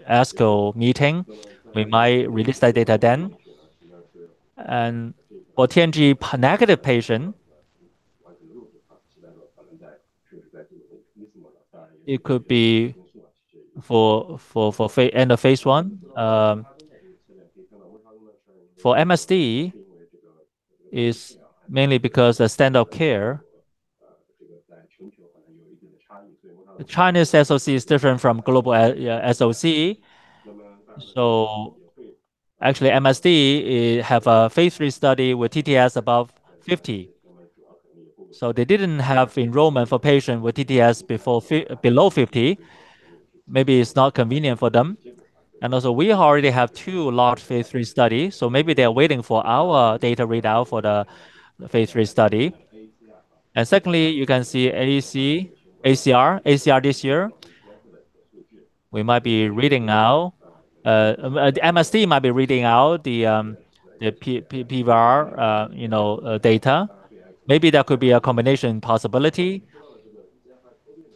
ASCO meeting. We might release that data then. For TNBC negative patient, it could be end of phase I. For MSD, it is mainly because the standard of care. The Chinese SOC is different from global SOC. So actually MSD has a phase III study with TPS above 50. They didn't have enrollment for patient with TPS below 50. Maybe it's not convenient for them. We already have two large phase III studies. Maybe they're waiting for our data readout for the phase III study. Secondly, you can see AACR this year. We might be reading now, the MSD might be reading out the PFS data. Maybe there could be a combination possibility.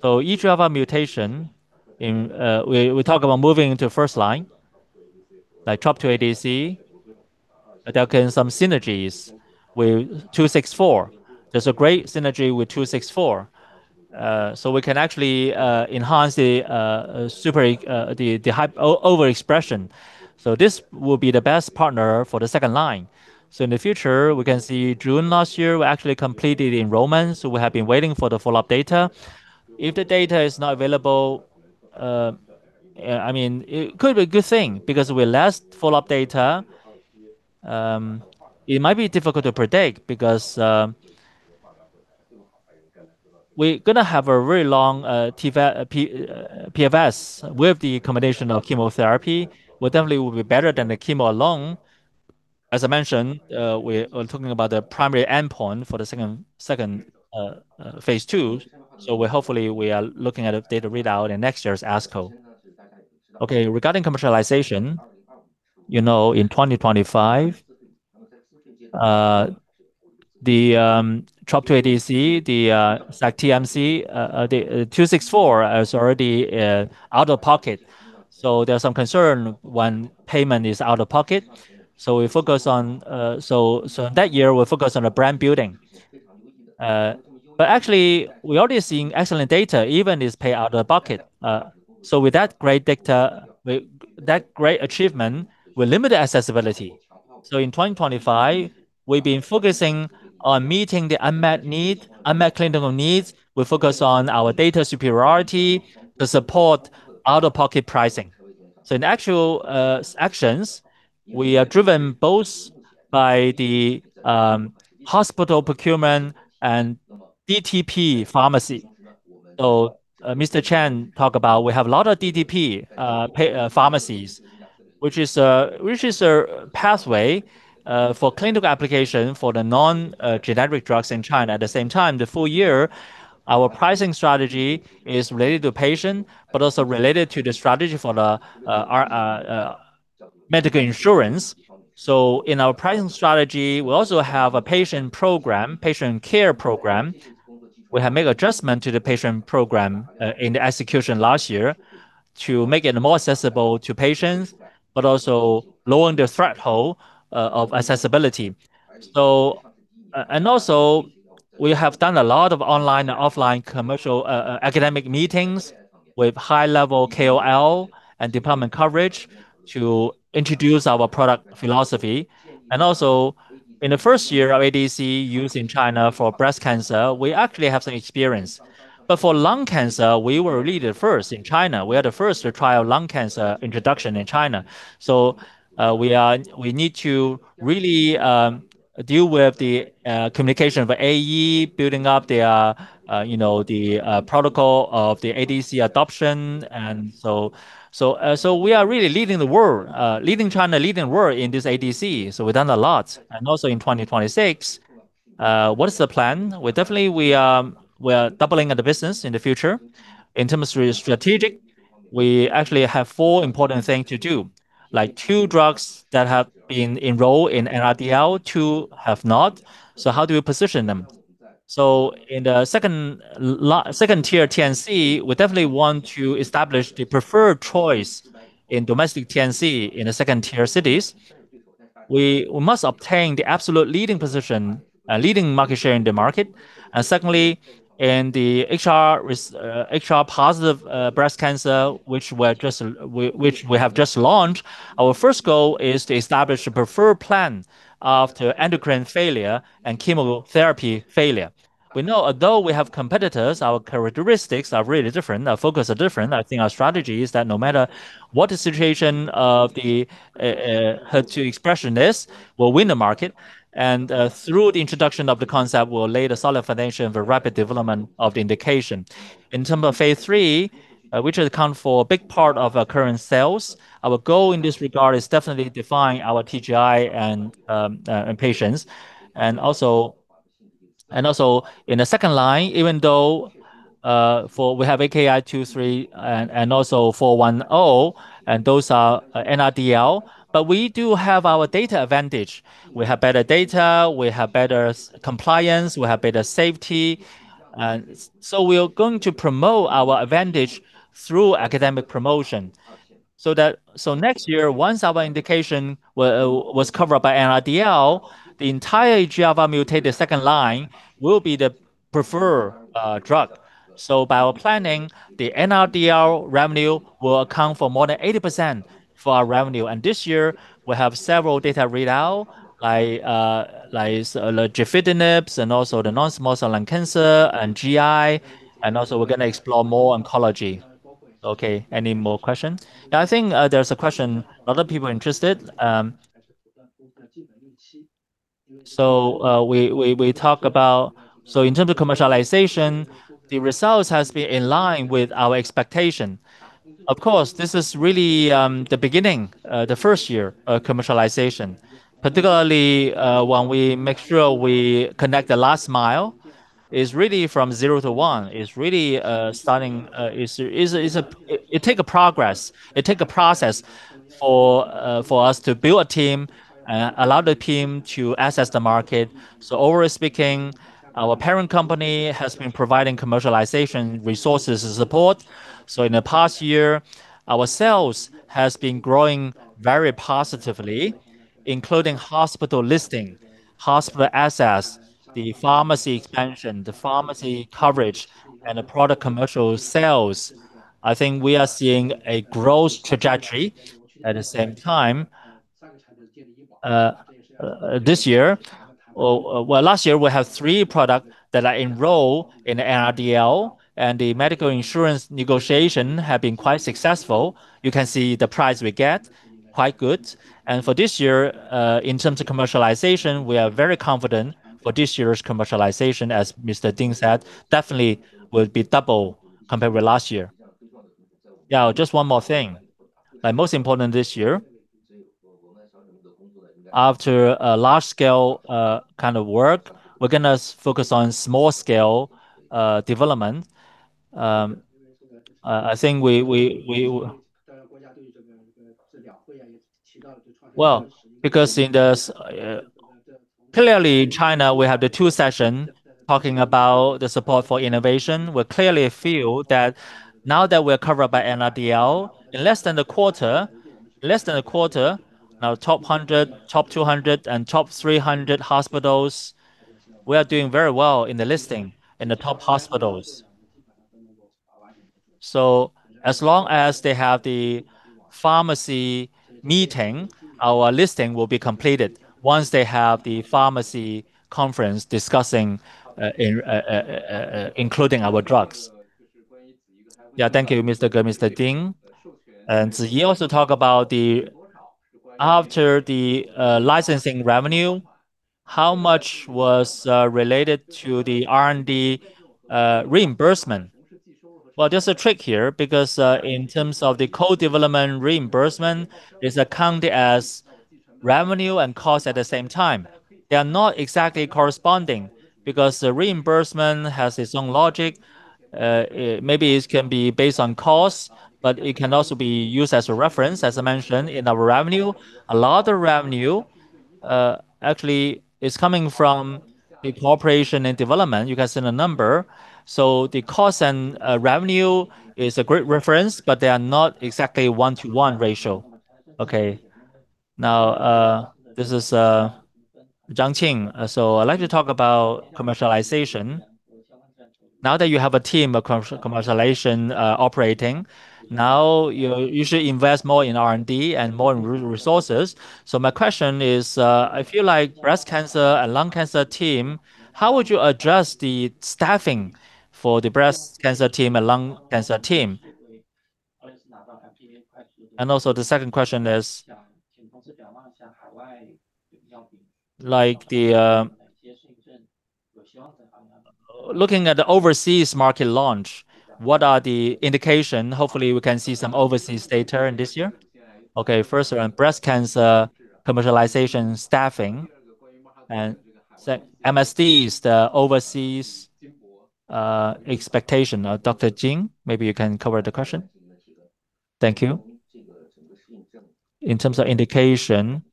EGFR mutation, we talk about moving into first line, like TROP2 ADC, there can be some synergies with 264. There's a great synergy with 264. We can actually enhance the HER2 overexpression. This will be the best partner for the second line. In the future, we can see June last year, we actually completed enrollment, we have been waiting for the follow-up data. If the data is not available, I mean, it could be a good thing because with last follow-up data, it might be difficult to predict because we're gonna have a very long OS, PFS with the combination of chemotherapy will definitely be better than the chemo along. As I mentioned, we are talking about the primary endpoint for the second phase II. Hopefully we are looking at a data readout in next year's ASCO. Okay, regarding commercialization, you know, in 2025, the TROP2 ADC, the sac-TMT, the 264 is already out-of-pocket. There's some concern when payment is out-of-pocket. We focus on, in that year, we focus on the brand building. But actually we already seeing excellent data even is pay out-of-pocket. With that great data, that great achievement, we limit the accessibility. In 2025, we've been focusing on meeting the unmet need, unmet clinical needs. We focus on our data superiority to support out-of-pocket pricing. In actual sections, we are driven both by the hospital procurement and DTP pharmacy. Mr. Chen talk about we have a lot of DTP pharmacies, which is a pathway for clinical application for the non-generic drugs in China. At the same time, the full year, our pricing strategy is related to patient, but also related to the strategy for our medical insurance. In our pricing strategy, we also have a patient program, patient care program. We have made adjustment to the patient program, in the execution last year to make it more accessible to patients, but also lowering the threshold, of accessibility. And also we have done a lot of online and offline commercial, academic meetings with high-level KOL and department coverage to introduce our product philosophy. In the first year of ADC used in China for breast cancer, we actually have some experience. For lung cancer, we were really the first in China. We are the first to trial lung cancer introduction in China. We need to really deal with the communication of AE building up the, you know, the protocol of the ADC adoption. We are really leading the world, leading China, leading world in this ADC. We've done a lot. In 2026, what is the plan? We definitely are doubling the business in the future. In terms of strategic, we actually have four important thing to do, like two drugs that have been enrolled in NRDL, two have not. How do we position them? In the second tier TNBC, we definitely want to establish the preferred choice in domestic TNBC in the second tier cities. We must obtain the absolute leading position, leading market share in the market. Secondly, in the HR plus, HR-positive breast cancer, which we have just launched, our first goal is to establish a preferred plan after endocrine failure and chemotherapy failure. We know although we have competitors, our characteristics are really different. Our focus are different. I think our strategy is that no matter what the situation of the HER2 expression is, we'll win the market. Through the introduction of the concept, we'll lay the solid foundation for rapid development of the indication. In terms of phase III, which will account for a big part of our current sales, our goal in this regard is definitely to define our TGI and patients. In the second line, even though we have AKI two, three and also 410, and those are NRDL, but we do have our data advantage. We have better data, we have better compliance, we have better safety. We are going to promote our advantage through academic promotion. Next year, once our indication was covered by NRDL, the entire EGFR mutated second line will be the preferred drug. By our planning, the NRDL revenue will account for more than 80% of our revenue. This year we have several data read out in gefitinib and also the non-small cell lung cancer and GI, and also we're going to explore more oncology. Okay. Any more questions? Now, I think there's a question other people are interested. We talk about. In terms of commercialization, the results has been in line with our expectation. Of course, this is really the beginning, the first year of commercialization, particularly when we make sure we connect the last mile is really from zero to one. It's really starting. It's a progress. It take a process for us to build a team, allow the team to access the market. Overall speaking, our parent company has been providing commercialization resources and support. In the past year, our sales has been growing very positively, including hospital listing, hospital access, the pharmacy expansion, the pharmacy coverage and the product commercial sales. I think we are seeing a growth trajectory at the same time. This year or, well, last year, we have three product that are enroll in NRDL and the medical insurance negotiation have been quite successful. You can see the price we get quite good. For this year, in terms of commercialization, we are very confident for this year's commercialization as Mr. Ding said, definitely will be double compared with last year. Now just one more thing. Like most important this year, after a large scale, kind of work, we're gonna focus on small scale development. I think we. Well, because in the so clearly China, we have the Two Sessions talking about the support for innovation. We clearly feel that now that we're covered by NRDL in less than a quarter, our top 100, top 200 and top 300 hospitals, we are doing very well in the listing in the top hospitals. As long as they have the pharmacy meeting, our listing will be completed once they have the pharmacy conference discussing, including our drugs. Yeah. Thank you, Mr. Ding. Ziyi also talk about the after the licensing revenue, how much was related to the R&D reimbursement? Well, there's a trick here because in terms of the co-development reimbursement is accounted as revenue and cost at the same time. They are not exactly corresponding because the reimbursement has its own logic. Maybe it can be based on cost, but it can also be used as a reference, as I mentioned in our revenue. A lot of revenue actually is coming from the cooperation and development. You can see the number. The cost and revenue is a great reference, but they are not exactly one-one ratio. Okay. Now, this is Zhang Qing. I'd like to talk about commercialization. Now that you have a team of commercialization operating, now you should invest more in R&D and more in resources. So my question is, I feel like breast cancer and lung cancer team, how would you adjust the staffing for the breast cancer team and lung cancer team? And also the second question is like, looking at the overseas market launch, what are the indication? Hopefully, we can see some overseas data in this year. Okay. First, around breast cancer commercialization staffing and second, MSD is the overseas expectation. Dr. Jin, maybe you can cover the question. Thank you. In terms of indication.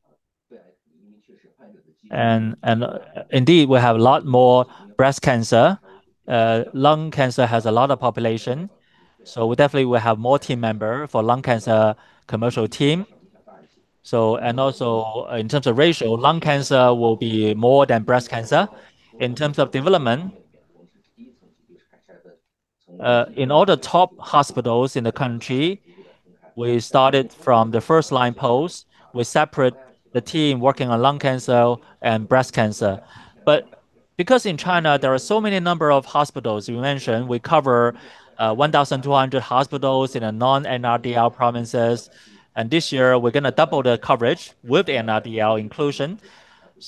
And indeed, we have a lot more breast cancer. Lung cancer has a lot of population, so we definitely will have more team member for lung cancer commercial team. So. Also in terms of ratio, lung cancer will be more than breast cancer. In terms of development, in all the top hospitals in the country, we started from the first line post. We separate the team working on lung cancer and breast cancer. Because in China there are so many number of hospitals, you mentioned we cover 1,200 hospitals in a non-NRDL provinces, and this year we're gonna double the coverage with NRDL inclusion.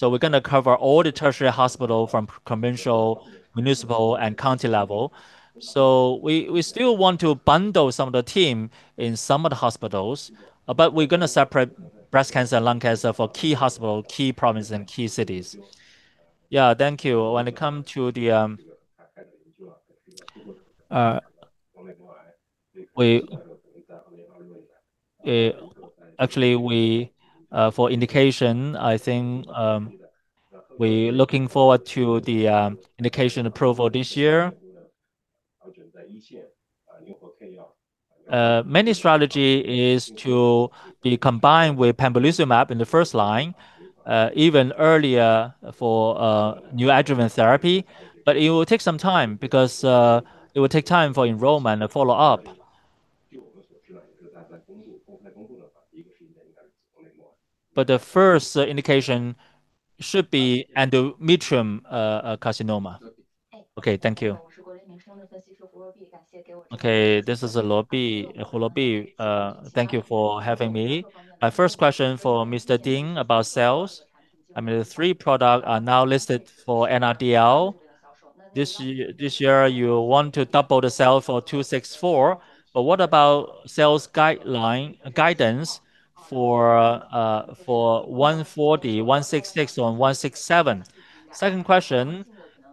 We're gonna cover all the tertiary hospital from provincial, municipal, and county level. We still want to bundle some of the team in some of the hospitals, but we're gonna separate breast cancer and lung cancer for key hospital, key province, and key cities. Yeah. Thank you. When it comes to the indication, I think we looking forward to the indication approval this year. Main strategy is to be combined with pembrolizumab in the first line, even earlier for neoadjuvant therapy. It will take some time because it will take time for enrollment and follow-up. The first indication should be endometrial carcinoma. Okay. Thank you. Okay. This is Lobi Hulobi. Thank you for having me. My first question for Mr. Ding about sales. I mean, the three products are now listed for NRDL. This year, you want to double the sales for 264, but what about sales guidance for 140, 166, and 167? Second question,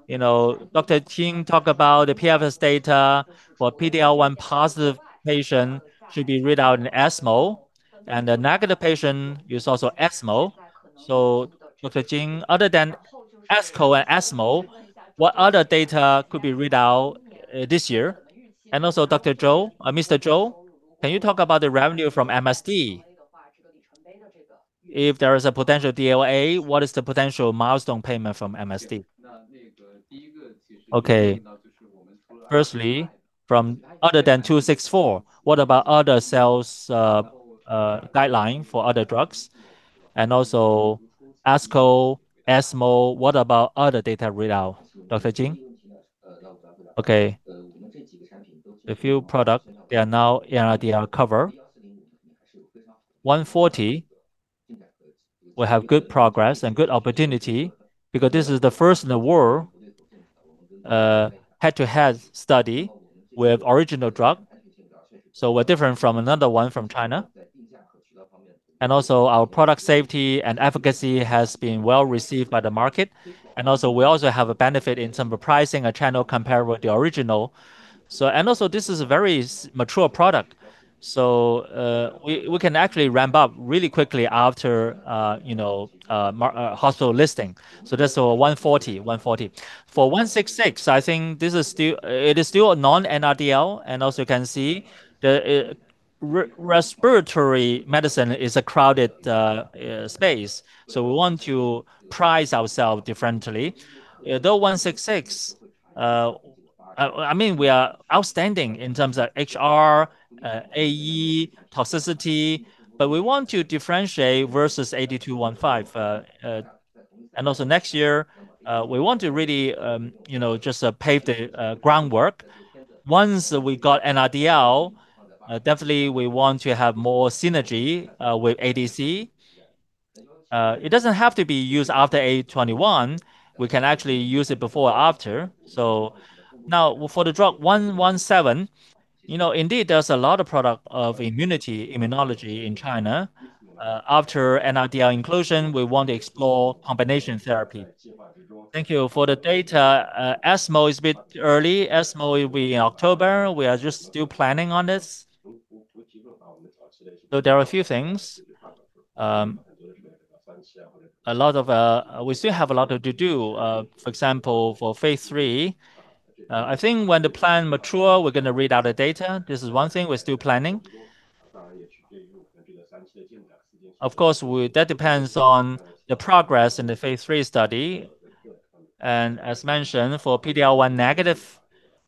you know, Dr. Jin talked about the PFS data for PD-L1-positive patients should be read out in ESMO, and the negative patients is also ESMO. Dr. Jing, other than ASCO and ESMO, what other data could be read out this year? Dr. Zhou, Mr. Zhou, can you talk about the revenue from MSD? If there is a potential BLA, what is the potential milestone payment from MSD? Firstly, other than 264, what about other sales guideline for other drugs? ASCO, ESMO, what about other data readout, Dr. Jin? A few products, they are now NRDL covered. 140 will have good progress and good opportunity because this is the first in the world head-to-head study with original drug. We're different from another one from China. Our product safety and efficacy has been well-received by the market. We also have a benefit in terms of pricing and channel compared with the original. This is a very mature product, so we can actually ramp up really quickly after you know hospital listing. That's our A140. For A166, I think this is still, it is still a non-NRDL and also you can see the respiratory medicine is a crowded space, so we want to price ourself differently. Though A166, I mean, we are outstanding in terms of HR, AE toxicity, but we want to differentiate versus 8215. Also next year, we want to really, you know, just pave the groundwork. Once we got NRDL, definitely we want to have more synergy with ADC. It doesn't have to be used after 821. We can actually use it before or after. Now for the drug 117, you know, indeed there's a lot of products in immunity, immunology in China. After NRDL inclusion, we want to explore combination therapy. Thank you. For the data, ESMO is a bit early. ESMO will be in October. We are just still planning on this. There are a few things. We still have a lot to do. For example, for phase III, I think when the plan mature, we're gonna read out the data. This is one thing we're still planning. Of course, that depends on the progress in the phase III study. As mentioned, for PD-L1 negative,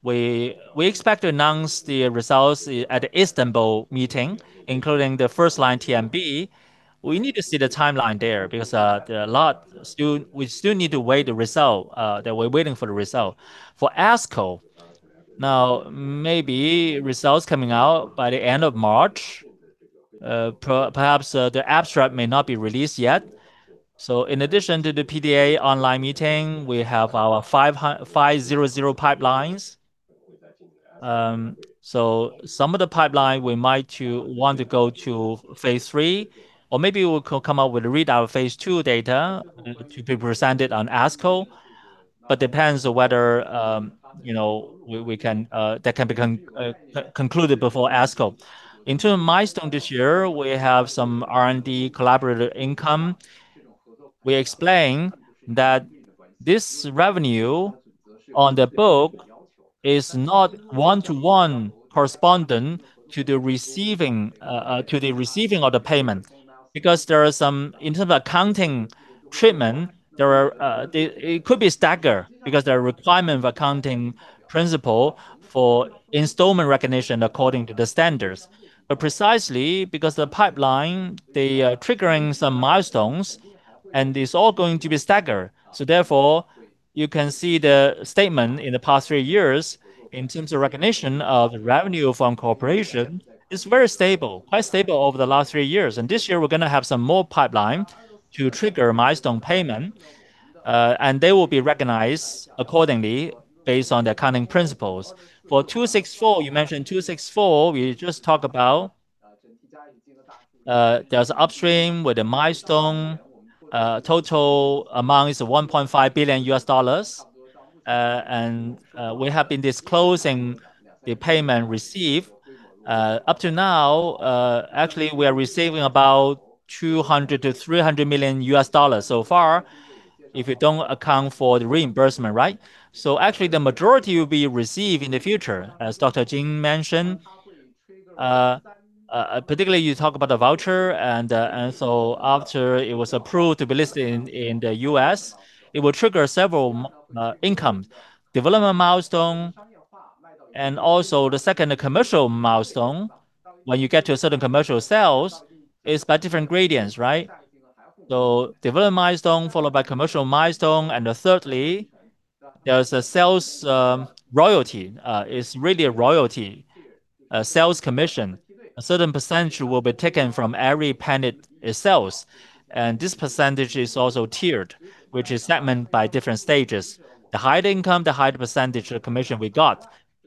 we expect to announce the results at the Istanbul meeting, including the first-line TMB. We need to see the timeline there because there are a lot still. We still need to wait for the result. For ASCO now maybe results coming out by the end of March. Perhaps the abstract may not be released yet. In addition to the PDA online meeting, we have our 500 pipelines. Some of the pipeline we want to go to phase III, or maybe we could come up with readout phase II data to be presented on ASCO, but depends on whether, you know, we can that can be concluded before ASCO. In terms of milestone this year, we have some R&D collaborator income. We explain that this revenue on the book is not one-to-one correspondent to the receiving of the payment because there are some, in terms of accounting treatment, there are it could be stagger because there are requirement of accounting principle for installment recognition according to the standards. Precisely because the pipeline, they are triggering some milestones and it's all going to be stagger. Therefore, you can see the statement in the past three years in terms of recognition of revenue from corporation is very stable. Quite stable over the last three years. This year we're gonna have some more pipeline to trigger milestone payment, and they will be recognized accordingly based on the accounting principles. For 264, you mentioned 264, we just talk about, there's upstream with a milestone. Total amount is $1.5 billion. And we have been disclosing the payment received. Up to now, actually we are receiving about $200 million-$300 million so far if we don't account for the reimbursement, right? Actually the majority will be received in the future, as Dr. Ding mentioned. Particularly you talk about the voucher and after it was approved to be listed in the U.S., it will trigger several milestone income. Development milestone, and also the second commercial milestone when you get to a certain commercial sales is by different gradients, right? Development milestone followed by commercial milestone. Then thirdly, there's a sales royalty. It's really a royalty, a sales commission. A certain percentage will be taken from every unit it sells. This percentage is also tiered, which is segmented by different stages. The higher the income, the higher the percentage of commission we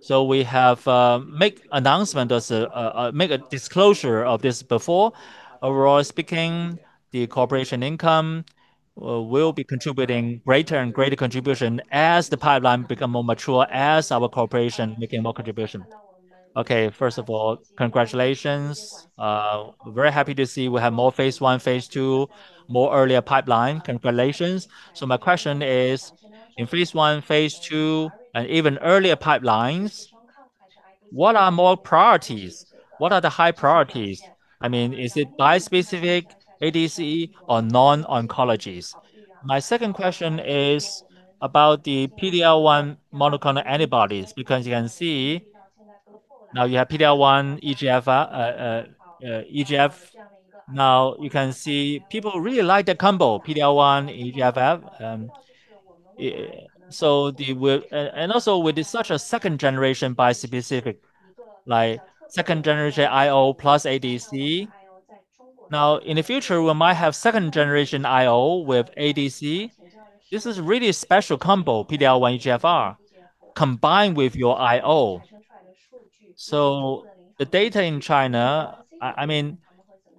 get. We have made a disclosure of this before. Overall speaking, the corporation income will be contributing greater and greater contribution as the pipeline become more mature, as our corporation making more contribution. Okay. First of all, congratulations. Very happy to see we have more phase I, phase II, more earlier pipeline. Congratulations. My question is, in phase I, phase II, and even earlier pipelines, what are more priorities? What are the high priorities? I mean, is it bispecific ADC or non-oncologies? My second question is about the PD-L1 monoclonal antibodies, because you can see now you have PD-L1 EGFR. Now you can see people really like the combo PD-L1, EGFR. And also with such a second generation bispecific, like second generation IO plus ADC. Now, in the future, we might have second generation IO with ADC. This is really a special combo, PD-L1/EGFR, combined with your IO. So the data in China, I mean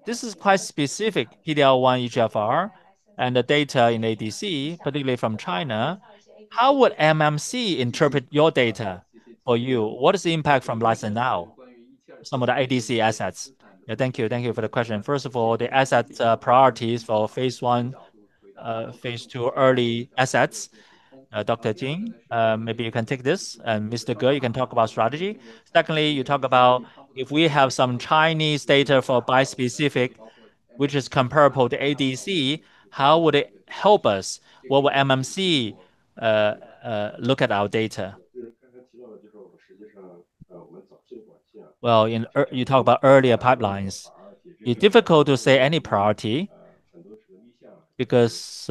this is quite specific, PD-L1/EGFR and the data in ADC, particularly from China. How would MSD interpret your data for you? What is the impact from Livzon now, some of the ADC assets? Yeah. Thank you. Thank you for the question. First of all, the assets, priorities for phase I, phase II early assets, Dr. Jin, maybe you can take this and Mr. Ge, you can talk about strategy. Secondly, you talk about if we have some Chinese data for bispecific which is comparable to ADC, how would it help us? What would MSD look at our data? Well, you talk about earlier pipelines. It's difficult to say any priority because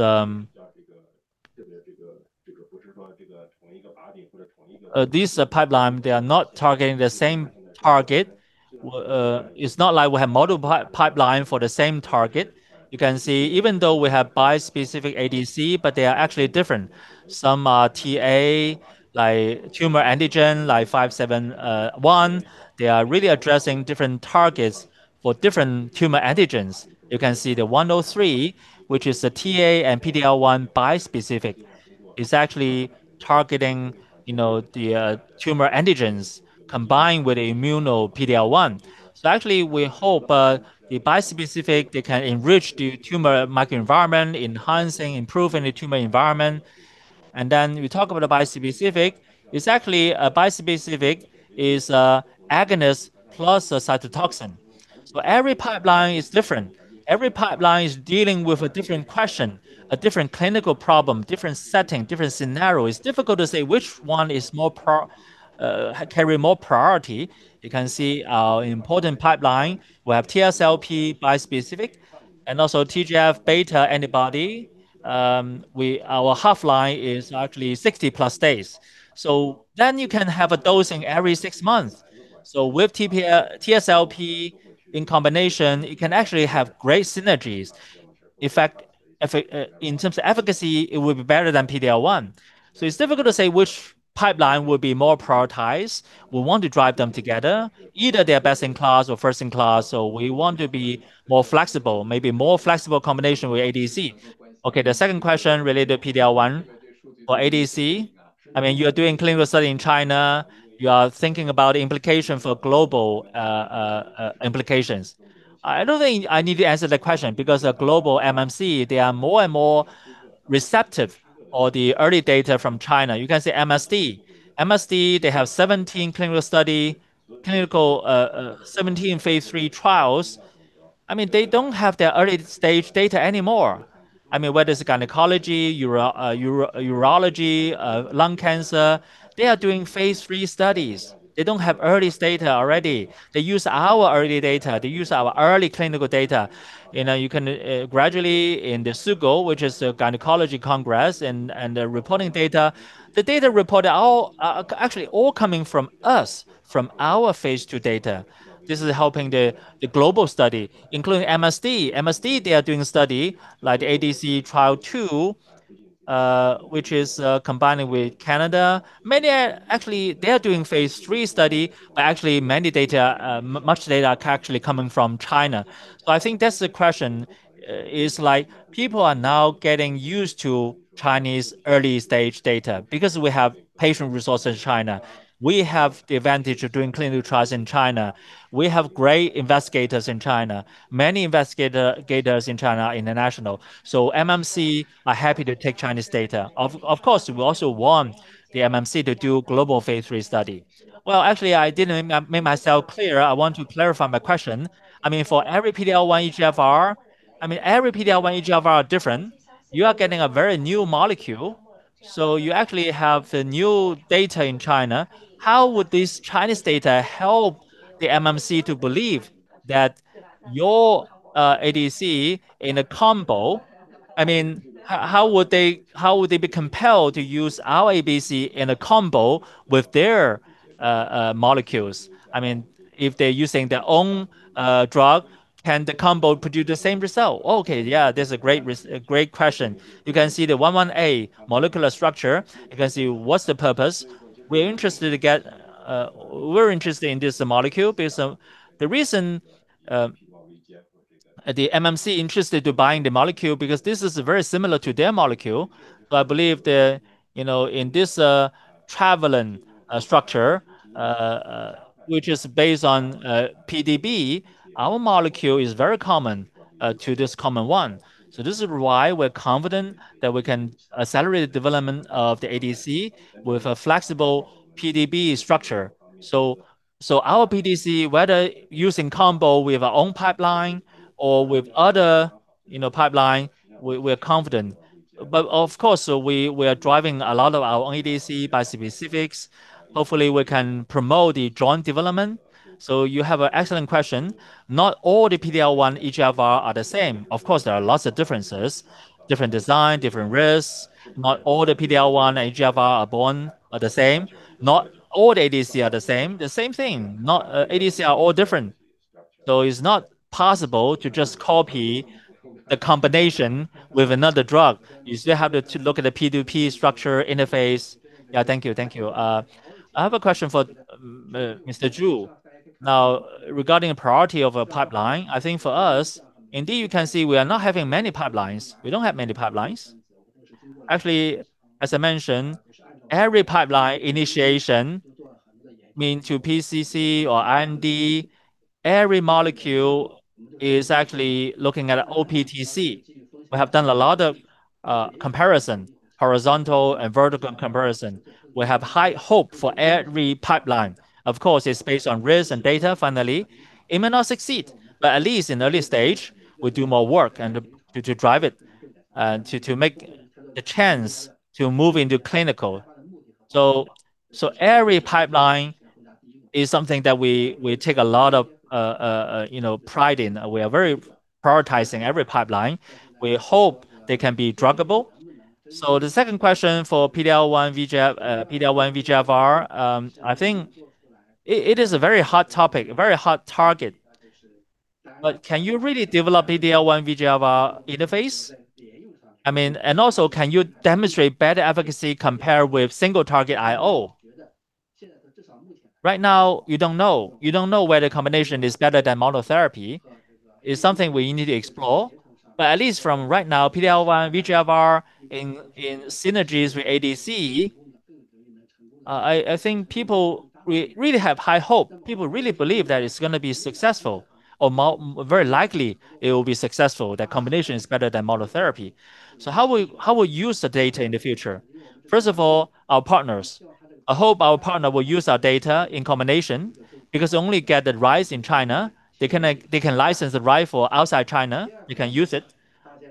this pipeline, they are not targeting the same target. It's not like we have multiple pipeline for the same target. You can see even though we have bispecific ADC, but they are actually different. Some are TA, like tumor antigen, like 571. They are really addressing different targets for different tumor antigens. You can see the 103, which is a TA and PD-L1 bispecific, is actually targeting, you know, the tumor antigens combined with immuno PD-L1. So actually we hope the bispecific that can enrich the tumor microenvironment, enhancing, improving the tumor environment. We talk about the bispecific. Exactly, a bispecific is an agonist plus a cytotoxin. So every pipeline is different. Every pipeline is dealing with a different question, a different clinical problem, different setting, different scenario. It's difficult to say which one carries more priority. You can see our important pipeline. We have TSLP bispecific and also TGF-beta antibody. Our half-life is actually 60+ days. You can have a dosing every six months. With TSLP in combination, it can actually have great synergies. In fact, in terms of efficacy, it will be better than PD-L1. It's difficult to say which pipeline will be more prioritized. We want to drive them together, either they're best-in-class or first-in-class, so we want to be more flexible, maybe more flexible combination with ADC. Okay, the second question related to PD-L1 or ADC. I mean, you are doing clinical study in China. You are thinking about implications for global implications. I don't think I need to answer the question because a global MNC, they are more and more receptive for the early data from China. You can say MSD. MSD, they have 17 phase III trials. I mean, they don't have the early-stage data anymore. I mean, whether it's gynecology, urology, lung cancer, they are doing phase III studies. They don't have earliest data already. They use our early data. They use our early clinical data. You know, you can gradually in the SGO, which is a gynecology congress and reporting data. The data reports are all actually all coming from us, from our phase II data. This is helping the global study, including MSD. MSD, they are doing a study like ADC trial two, which is combining with Keytruda. Actually, they are doing phase III study, but actually much data are actually coming from China. I think that's the question, is like people are now getting used to Chinese early stage data because we have patient resource in China. We have the advantage of doing clinical trials in China. We have great investigators in China. Many investigators in China are international. FDA are happy to take Chinese data. Of course, we also want the FDA to do global phase III study. Well, actually, I didn't make myself clear. I want to clarify my question. I mean, for every PD-L1/EGFR, I mean, every PD-L1/EGFR are different. You are getting a very new molecule. You actually have the new data in China. How would this Chinese data help the FDA to believe that your ADC in a combo. I mean, how would they be compelled to use our ADC in a combo with their molecules? I mean, if they're using their own drug, can the combo produce the same result? Okay, yeah. That's a great question. You can see the 1-1A molecular structure. You can see what's the purpose. We're interested in this molecule based on the reason the MSD interested in buying the molecule, because this is very similar to their molecule. So I believe you know in this travelling structure which is based on PBD, our molecule is very common to this common one. So this is why we're confident that we can accelerate the development of the ADC with a flexible PBD structure. Our ADC, whether using combo with our own pipeline or with other, you know, pipeline, we're confident. Of course, we are driving a lot of our own ADC bispecifics. Hopefully, we can promote the joint development. You have an excellent question. Not all the PD-L1 EGFR are the same. Of course, there are lots of differences, different design, different risks. Not all the PD-L1 EGFR are born the same. Not all the ADC are the same. The same thing. Not all ADC are all different. It's not possible to just copy the combination with another drug. You still have to look at the P2P structure interface. Yeah. Thank you. Thank you. I have a question for Mr. Zhou. Now, regarding priority of a pipeline, I think for us, indeed, you can see we are not having many pipelines. We don't have many pipelines. Actually, as I mentioned, every pipeline initiation mean to PCC or IND, every molecule is actually looking at OptiDC. We have done a lot of comparison, horizontal and vertical comparison. We have high hope for every pipeline. Of course, it's based on risk and data finally. It may not succeed, but at least in early stage, we do more work and to drive it to make the chance to move into clinical. Every pipeline is something that we take a lot of you know pride in. We are very prioritizing every pipeline. We hope they can be druggable. The second question for PD-L1/VEGF, PD-L1/VEGFR, I think it is a very hot topic, a very hot target. But can you really develop PD-L1/VEGFR interface? I mean, also can you demonstrate better efficacy compared with single-target IO? Right now, you don't know. You don't know whether combination is better than monotherapy. It's something we need to explore. At least from right now, PD-L1/VEGFR in synergy with ADC, I think people really have high hope. People really believe that it's gonna be successful or very likely it will be successful, that combination is better than monotherapy. How will you use the data in the future? First of all, our partners. I hope our partner will use our data in combination because they only get the rights in China. They can license the right for outside China. They can use it.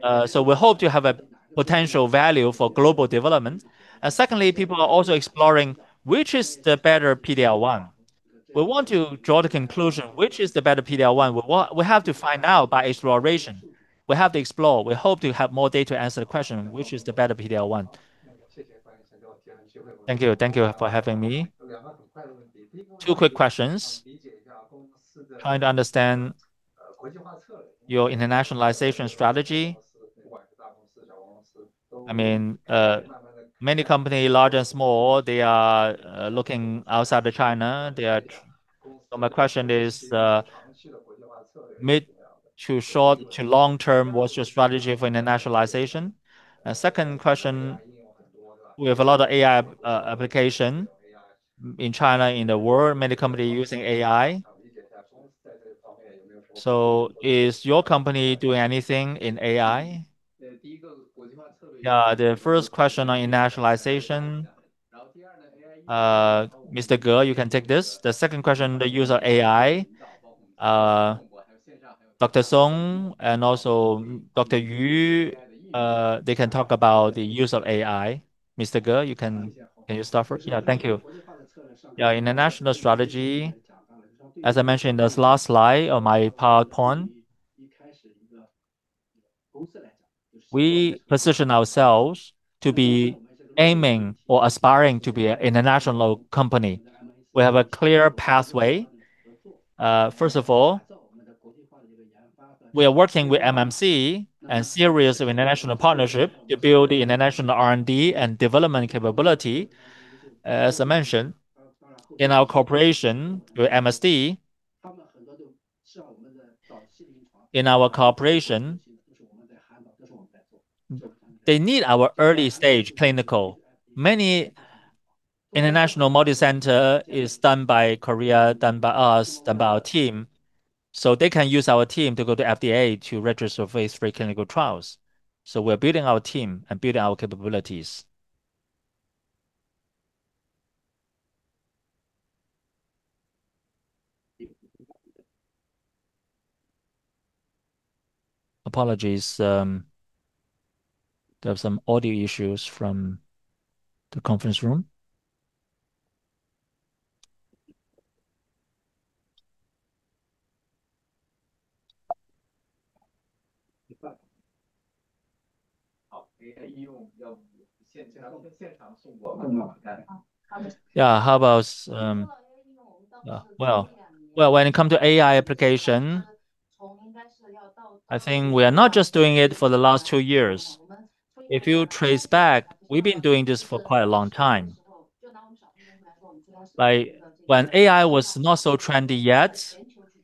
We hope to have a potential value for global development. Secondly, people are also exploring which is the better PD-L1. We want to draw the conclusion which is the better PD-L1. We have to find out by exploration. We have to explore. We hope to have more data to answer the question, which is the better PD-L1? Thank you. Thank you for having me. Two quick questions. Trying to understand your internationalization strategy. I mean, many company, large and small, they are looking outside of China. They are. So my question is, mid- to short- to long-term, what's your strategy for internationalization? Second question, we have a lot of AI application in China, in the world, many company using AI. So is your company doing anything in AI? Yeah, the first question on internationalization, Mr. Ge, you can take this. The second question, the use of AI, Dr. Song and also Dr. Yu, they can talk about the use of AI. Mr. Ge, can you start first? Yeah, thank you. International strategy, as I mentioned this last slide on my PowerPoint, we position ourselves to be aiming or aspiring to be an international company. We have a clear pathway. First of all, we are working with MMC and series of international partnership to build the international R&D and development capability. As I mentioned, in our cooperation with MSD, they need our early-stage clinical. Many international multi-center is done by Caris, done by us, done by our team. So they can use our team to go to FDA to register for these Phase III clinical trials. So we're building our team and building our capabilities. Apologies, there are some audio issues from the conference room. Yeah, how about. Yeah, well, when it come to AI application, I think we are not just doing it for the last two years. If you trace back, we've been doing this for quite a long time. Like, when AI was not so trendy yet,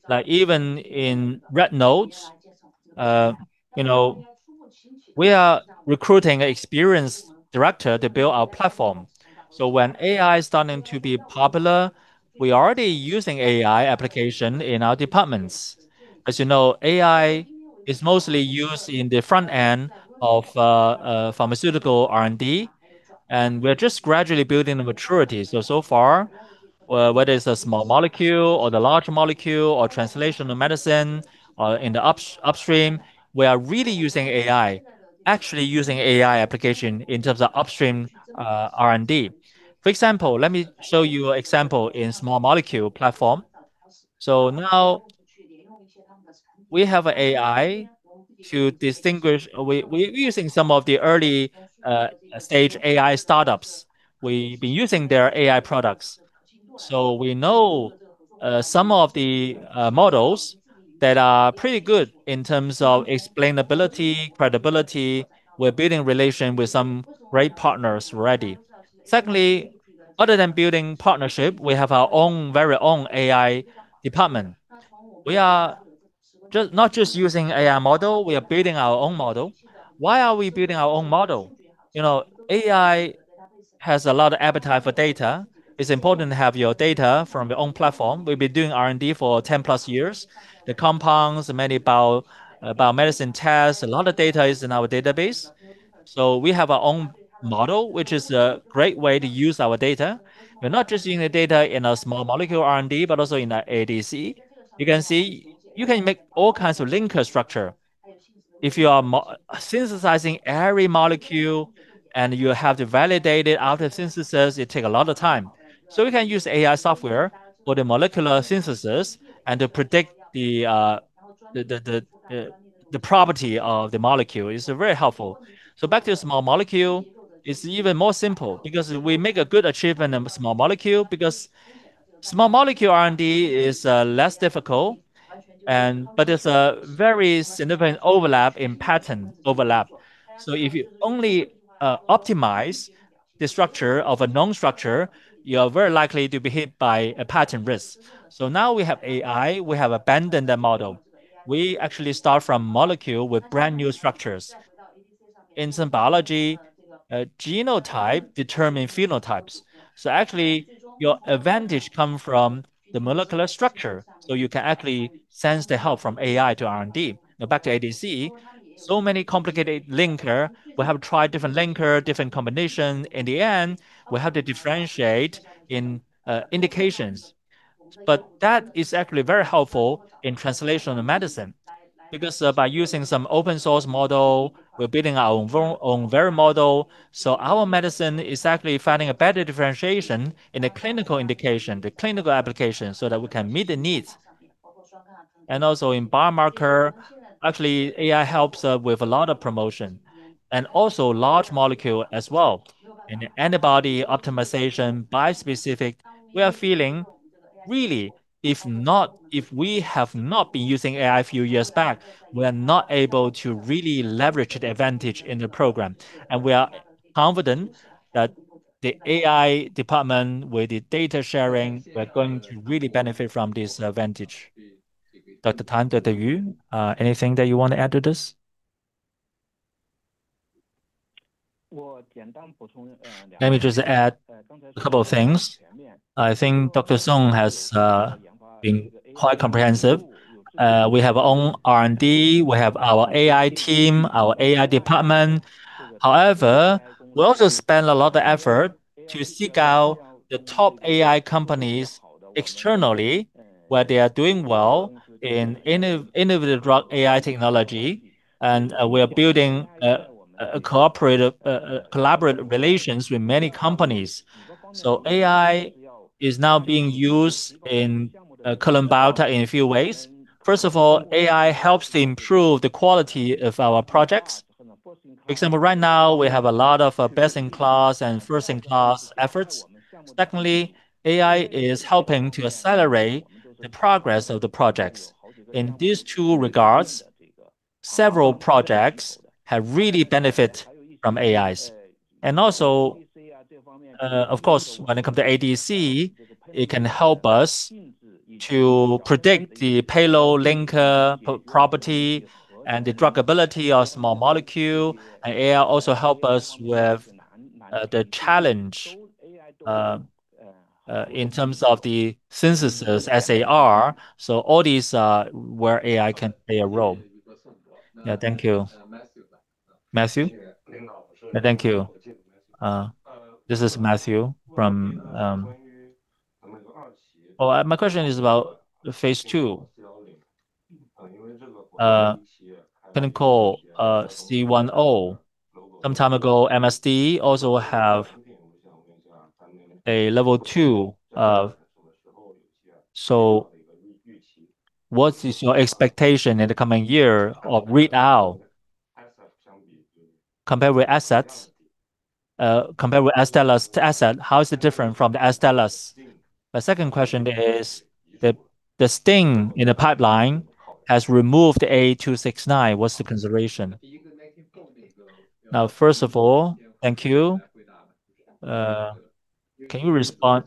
like even in red notes, you know, we are recruiting experienced director to build our platform. When AI is starting to be popular, we are already using AI application in our departments. As you know, AI is mostly used in the front end of pharmaceutical R&D, and we're just gradually building the maturity. So far, whether it's a small molecule or the large molecule or translational medicine, in the upstream, we are really using AI, actually using AI application in terms of upstream R&D. For example, let me show you example in small molecule platform. Now we have AI to distinguish. We're using some of the early stage AI startups. We've been using their AI products. We know some of the models that are pretty good in terms of explainability, credibility. We're building relations with some great partners already. Secondly, other than building partnerships, we have our own very own AI department. We are not just using AI model, we are building our own model. Why are we building our own model? You know, AI has a lot of appetite for data. It's important to have your data from your own platform. We've been doing R&D for 10+ years. The compounds, many bio, biomedicine tests, a lot of data is in our database. We have our own model, which is a great way to use our data. We're not just using the data in a small molecule R&D, but also in our ADC. You can see you can make all kinds of linker structure. If you are model-synthesizing every molecule, and you have to validate it after synthesis, it take a lot of time. We can use AI software for the molecular synthesis and to predict the property of the molecule. It's very helpful. Back to your small molecule, it's even more simple because we make a good achievement in small molecule because small molecule R&D is less difficult and, but it's a very significant patent overlap. If you only optimize the structure of a known structure, you are very likely to be hit by a patent risk. Now we have AI, we have abandoned the model. We actually start from molecule with brand-new structures. In some biology, a genotype determine phenotypes. Actually, your advantage come from the molecular structure. You can actually sense the help from AI to R&D. Now back to ADC, so many complicated linker. We have tried different linker, different combination. In the end, we have to differentiate in indications. That is actually very helpful in translational medicine. Because by using some open source model, we're building our own very model. Our medicine is actually finding a better differentiation in the clinical indication, the clinical application, so that we can meet the needs. In biomarker, actually, AI helps with a lot of promotion, and also large molecule as well. In the antibody optimization bispecific, we are feeling really, if we have not been using AI a few years back, we are not able to really leverage the advantage in the program. We are confident that the AI department with the data sharing, we're going to really benefit from this advantage. Dr. Tan, Dr. Yu, anything that you want to add to this? Let me just add a couple of things. I think Dr. Song has been quite comprehensive. We have our own R&D, we have our AI team, our AI department. However, we also spend a lot of effort to seek out the top AI companies externally, where they are doing well in innovative drug AI technology. We are building a cooperative, collaborative relations with many companies. AI is now being used in Kelun-Biotech in a few ways. First of all, AI helps to improve the quality of our projects. For example, right now we have a lot of best-in-class and first-in-class efforts. Secondly, AI is helping to accelerate the progress of the projects. In these two regards, several projects have really benefit from AIs. Also, of course, when it comes to ADC, it can help us to predict the payload linker properties and the druggability of small molecule. AI also help us with the challenge in terms of the synthesis, SAR. All these where AI can play a role. Yeah, thank you. Matthew? Thank you. This is Matthew from... My question is about phase II. Clinical, C1O. Some time ago, MSD also have a phase II of. What is your expectation in the coming year of read out compared with assets, compared with Astellas asset, how is it different from the Astellas? My second question is, the STING in the pipeline has removed A296. What's the consideration? Now, first of all, thank you. Can you respond?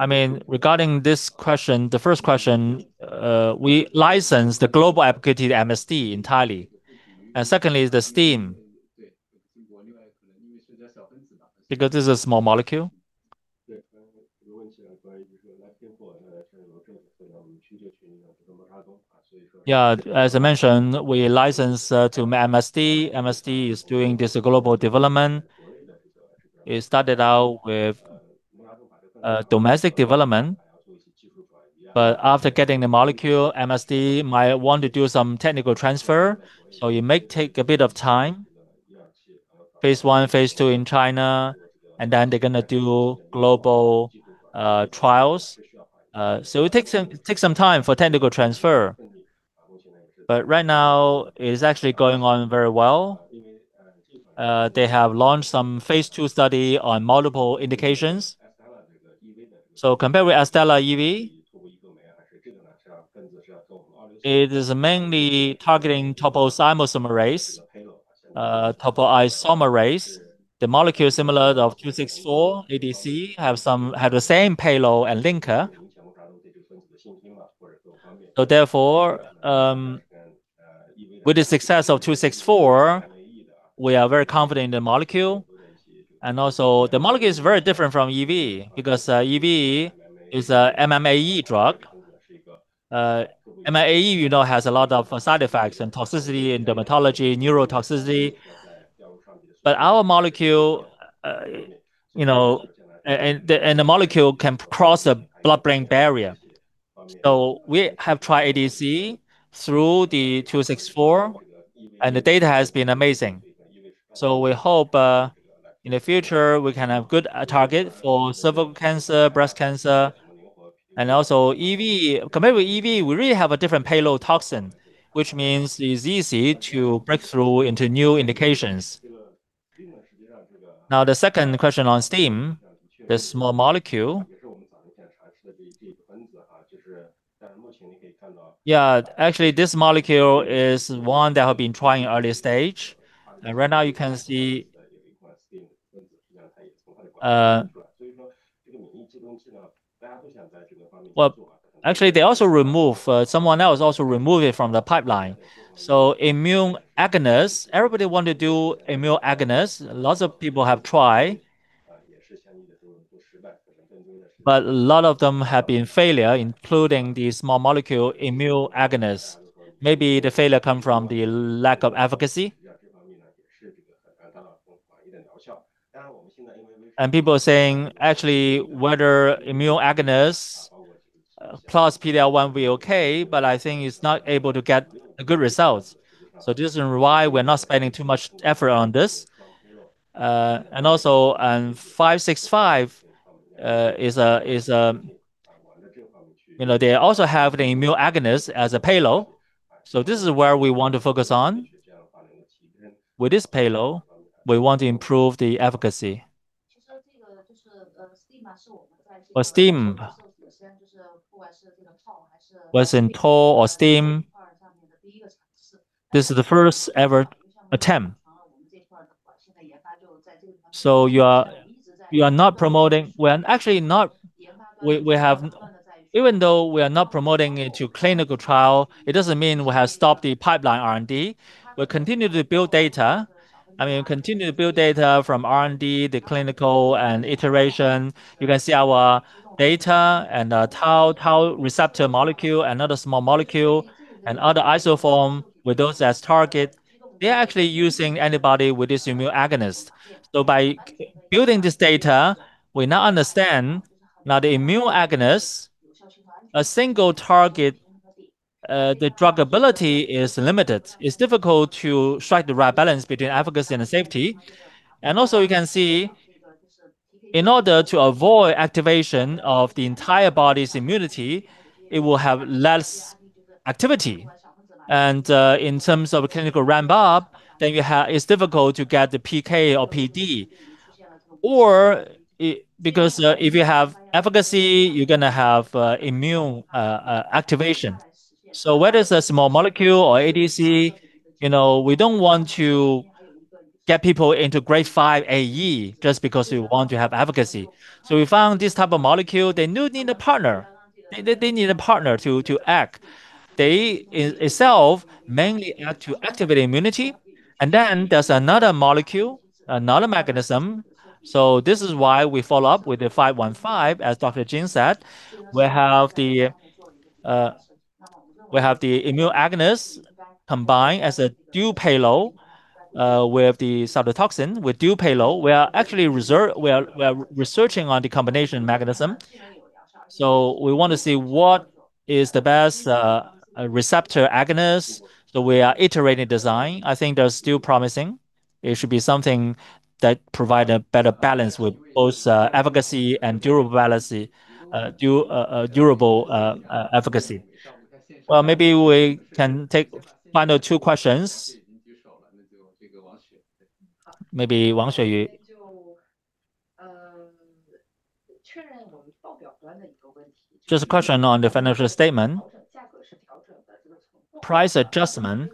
I mean, regarding this question, the first question, we licensed the global application to MSD entirely. Secondly, the STING. Because it's a small molecule? Yeah. As I mentioned, we licensed to MSD. MSD is doing this global development. It started out with domestic development. After getting the molecule, MSD might want to do some technical transfer. It may take a bit of time. Phase I, phase II in China, and then they're gonna do global trials. It takes some time for technical transfer. Right now it's actually going on very well. They have launched some phase II study on multiple indications. Compared with Astellas EV, it is mainly targeting topoisomerase. The molecule similar of 264 ADC have the same payload and linker. With the success of 264, we are very confident in the molecule. The molecule is very different from EV, because EV is a MMAE drug. MMAE, you know, has a lot of side effects and toxicity in dermatology, neurotoxicity. Our molecule, you know, can cross the blood-brain barrier. We have tried ADC through the 264, and the data has been amazing. We hope, in the future, we can have good target for cervical cancer, breast cancer. Also EV, compared with EV, we really have a different payload toxin, which means it's easy to break through into new indications. Now, the second question on STING, the small molecule. Yeah. Actually, this molecule is one that I've been trying early stage. Right now you can see. Well, actually, they also remove, someone else also remove it from the pipeline. Immune agonist, everybody want to do immune agonist. Lots of people have tried. A lot of them have been failure, including the small molecule immune agonist. Maybe the failure come from the lack of efficacy. People are saying actually whether immune agonists plus PD-L1 will be okay, but I think it's not able to get a good result. This is why we're not spending too much effort on this. Also on SKB565. You know, they also have the immune agonist as a payload. This is where we want to focus on. With this payload, we want to improve the efficacy. For STING, whether it's in TLR or STING, this is the first ever attempt. You are not promoting. Well, actually not. We have. Even though we are not promoting it to clinical trial, it doesn't mean we have stopped the pipeline R&D. We continue to build data. I mean, we continue to build data from R&D, the clinical and iteration. You can see our data and Toll-like receptor molecule, another small molecule and other isoform with those as target. They're actually using antibody with this immune agonist. By building this data, we now understand that immune agonist, a single target, the druggability is limited. It's difficult to strike the right balance between efficacy and safety. Also, you can see in order to avoid activation of the entire body's immunity, it will have less activity. In terms of clinical ramp-up, it's difficult to get the PK or PD. Because, you know, if you have efficacy, you're gonna have immune activation. Whether it's a small molecule or ADC, you know, we don't want to get people into grade five AE just because we want to have efficacy. We found this type of molecule, they do need a partner. They need a partner to act. It itself mainly act to activate immunity. Then there's another molecule, another mechanism. This is why we follow up with the 515, as Dr. Jin said. We have the immune agonist combined as a dual payload, with the pseudotoxin. With dual payload, we are actually researching on the combination mechanism. We want to see what is the best receptor agonist. We are iterating design. I think that's still promising. It should be something that provide a better balance with both efficacy and durability, durable efficacy. Well, maybe we can take final two questions. Maybe Wang Xueyu. Just a question on the financial statement. Price adjustment,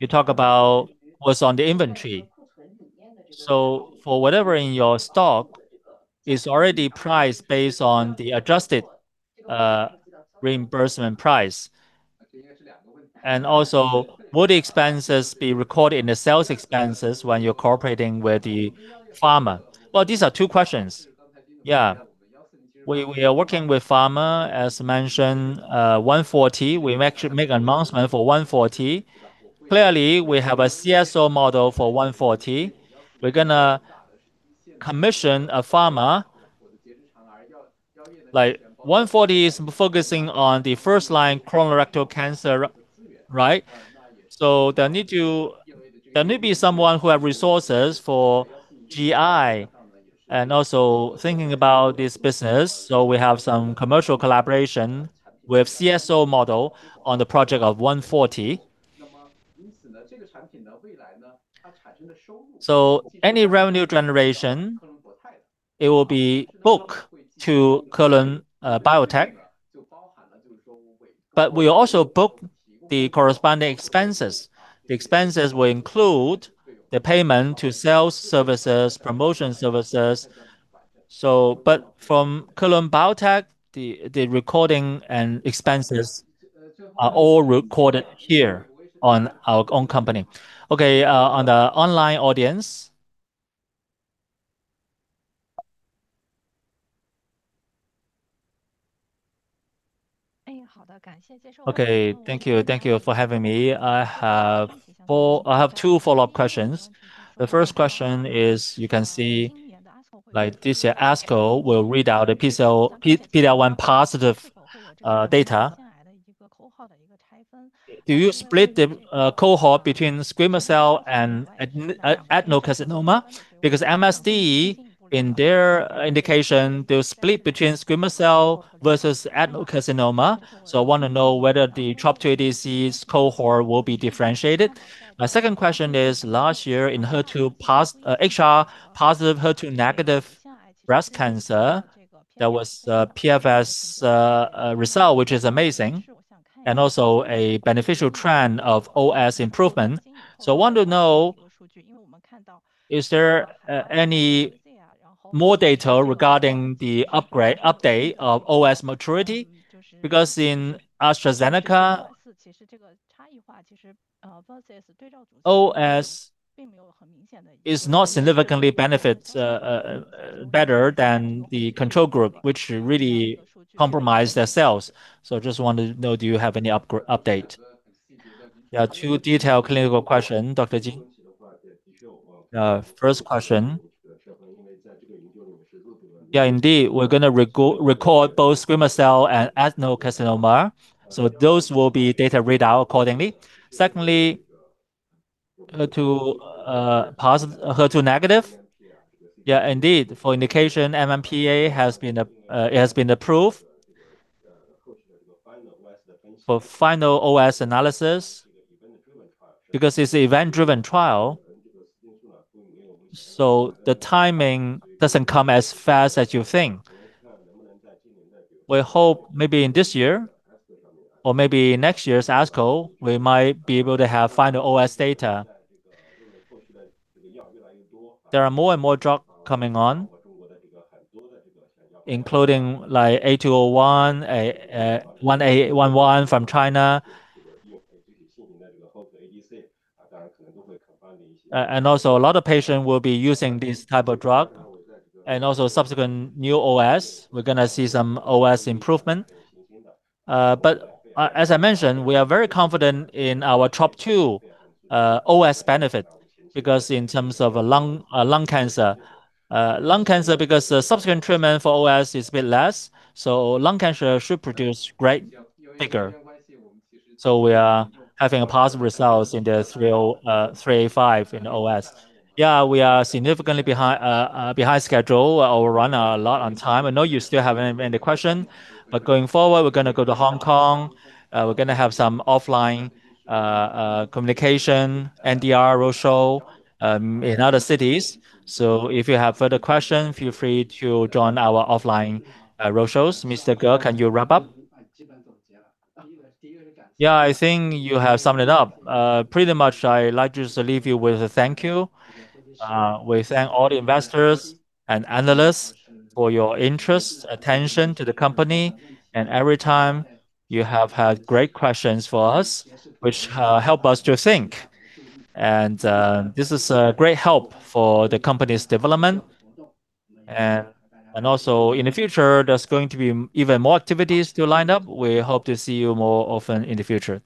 you talk about what's on the inventory. For whatever in your stock is already priced based on the adjusted reimbursement price. Would the expenses be recorded in the sales expenses when you're cooperating with the pharma? Well, these are two questions. Yeah. We are working with pharma. As mentioned, A140, we actually make announcement for A140. Clearly, we have a CSO model for A140. We're gonna commission a pharma. Like, A140 is focusing on the first line colorectal cancer, right? So there needs to be someone who has resources for GI and also thinking about this business. So we have some commercial collaboration with CSO model on the project of A140. So any revenue generation, it will be booked to Kelun-Biotech. But we also book the corresponding expenses. The expenses will include the payment to sales services, promotion services. But from Kelun-Biotech, the recording and expenses are all recorded here on our own company. For the online audience. Thank you for having me. I have two follow-up questions. The first question is, you can see like this year ASCO will read out a PD-L1 positive data. Do you split the cohort between squamous cell and adenocarcinoma? Because MSD in their indication, they'll split between squamous cell versus adenocarcinoma. So I want to know whether the TROP2 ADC's cohort will be differentiated. My second question is, last year in HR-positive, HER2-negative breast cancer, there was a PFS result, which is amazing, and also a beneficial trend of OS improvement. So I want to know, is there any more data regarding the upgrade, update of OS maturity? Because in AstraZeneca, OS is not significantly better than the control group, which really compromised their sales. I just wanted to know, do you have any update? Two detailed clinical questions, Dr. Jin. First question. Indeed, we're going to record both squamous cell and adenocarcinoma, so those will be data readouts accordingly. Secondly, HER2 negative. Indeed, for the indication, NMPA has approved it. For final OS analysis, because it's event-driven trial, the timing doesn't come as fast as you think. We hope maybe in this year or maybe next year's ASCO, we might be able to have final OS data. There are more and more drugs coming on, including like A201, 1811 from China. And also a lot of patients will be using this type of drug, and also subsequent new OS. We're going to see some OS improvement. I mentioned, we are very confident in our TROP-2 OS benefit because in terms of lung cancer. Lung cancer because the subsequent treatment for OS is a bit less, so lung cancer should produce great figure. We are having positive results in the 305 in OS. Yeah, we are significantly behind schedule. I will run a lot on time. I know you still have many questions, but going forward, we're gonna go to Hong Kong. We're gonna have some offline communication, NDR roadshow in other cities. If you have further questions, feel free to join our offline roadshows. Mr. Ge, can you wrap up? Yeah, I think you have summed it up. Pretty much I'd like just to leave you with a thank you. We thank all the investors and analysts for your interest, attention to the company. Every time you have had great questions for us, which help us to think. This is a great help for the company's development. Also in the future, there's going to be even more activities to line up. We hope to see you more often in the future.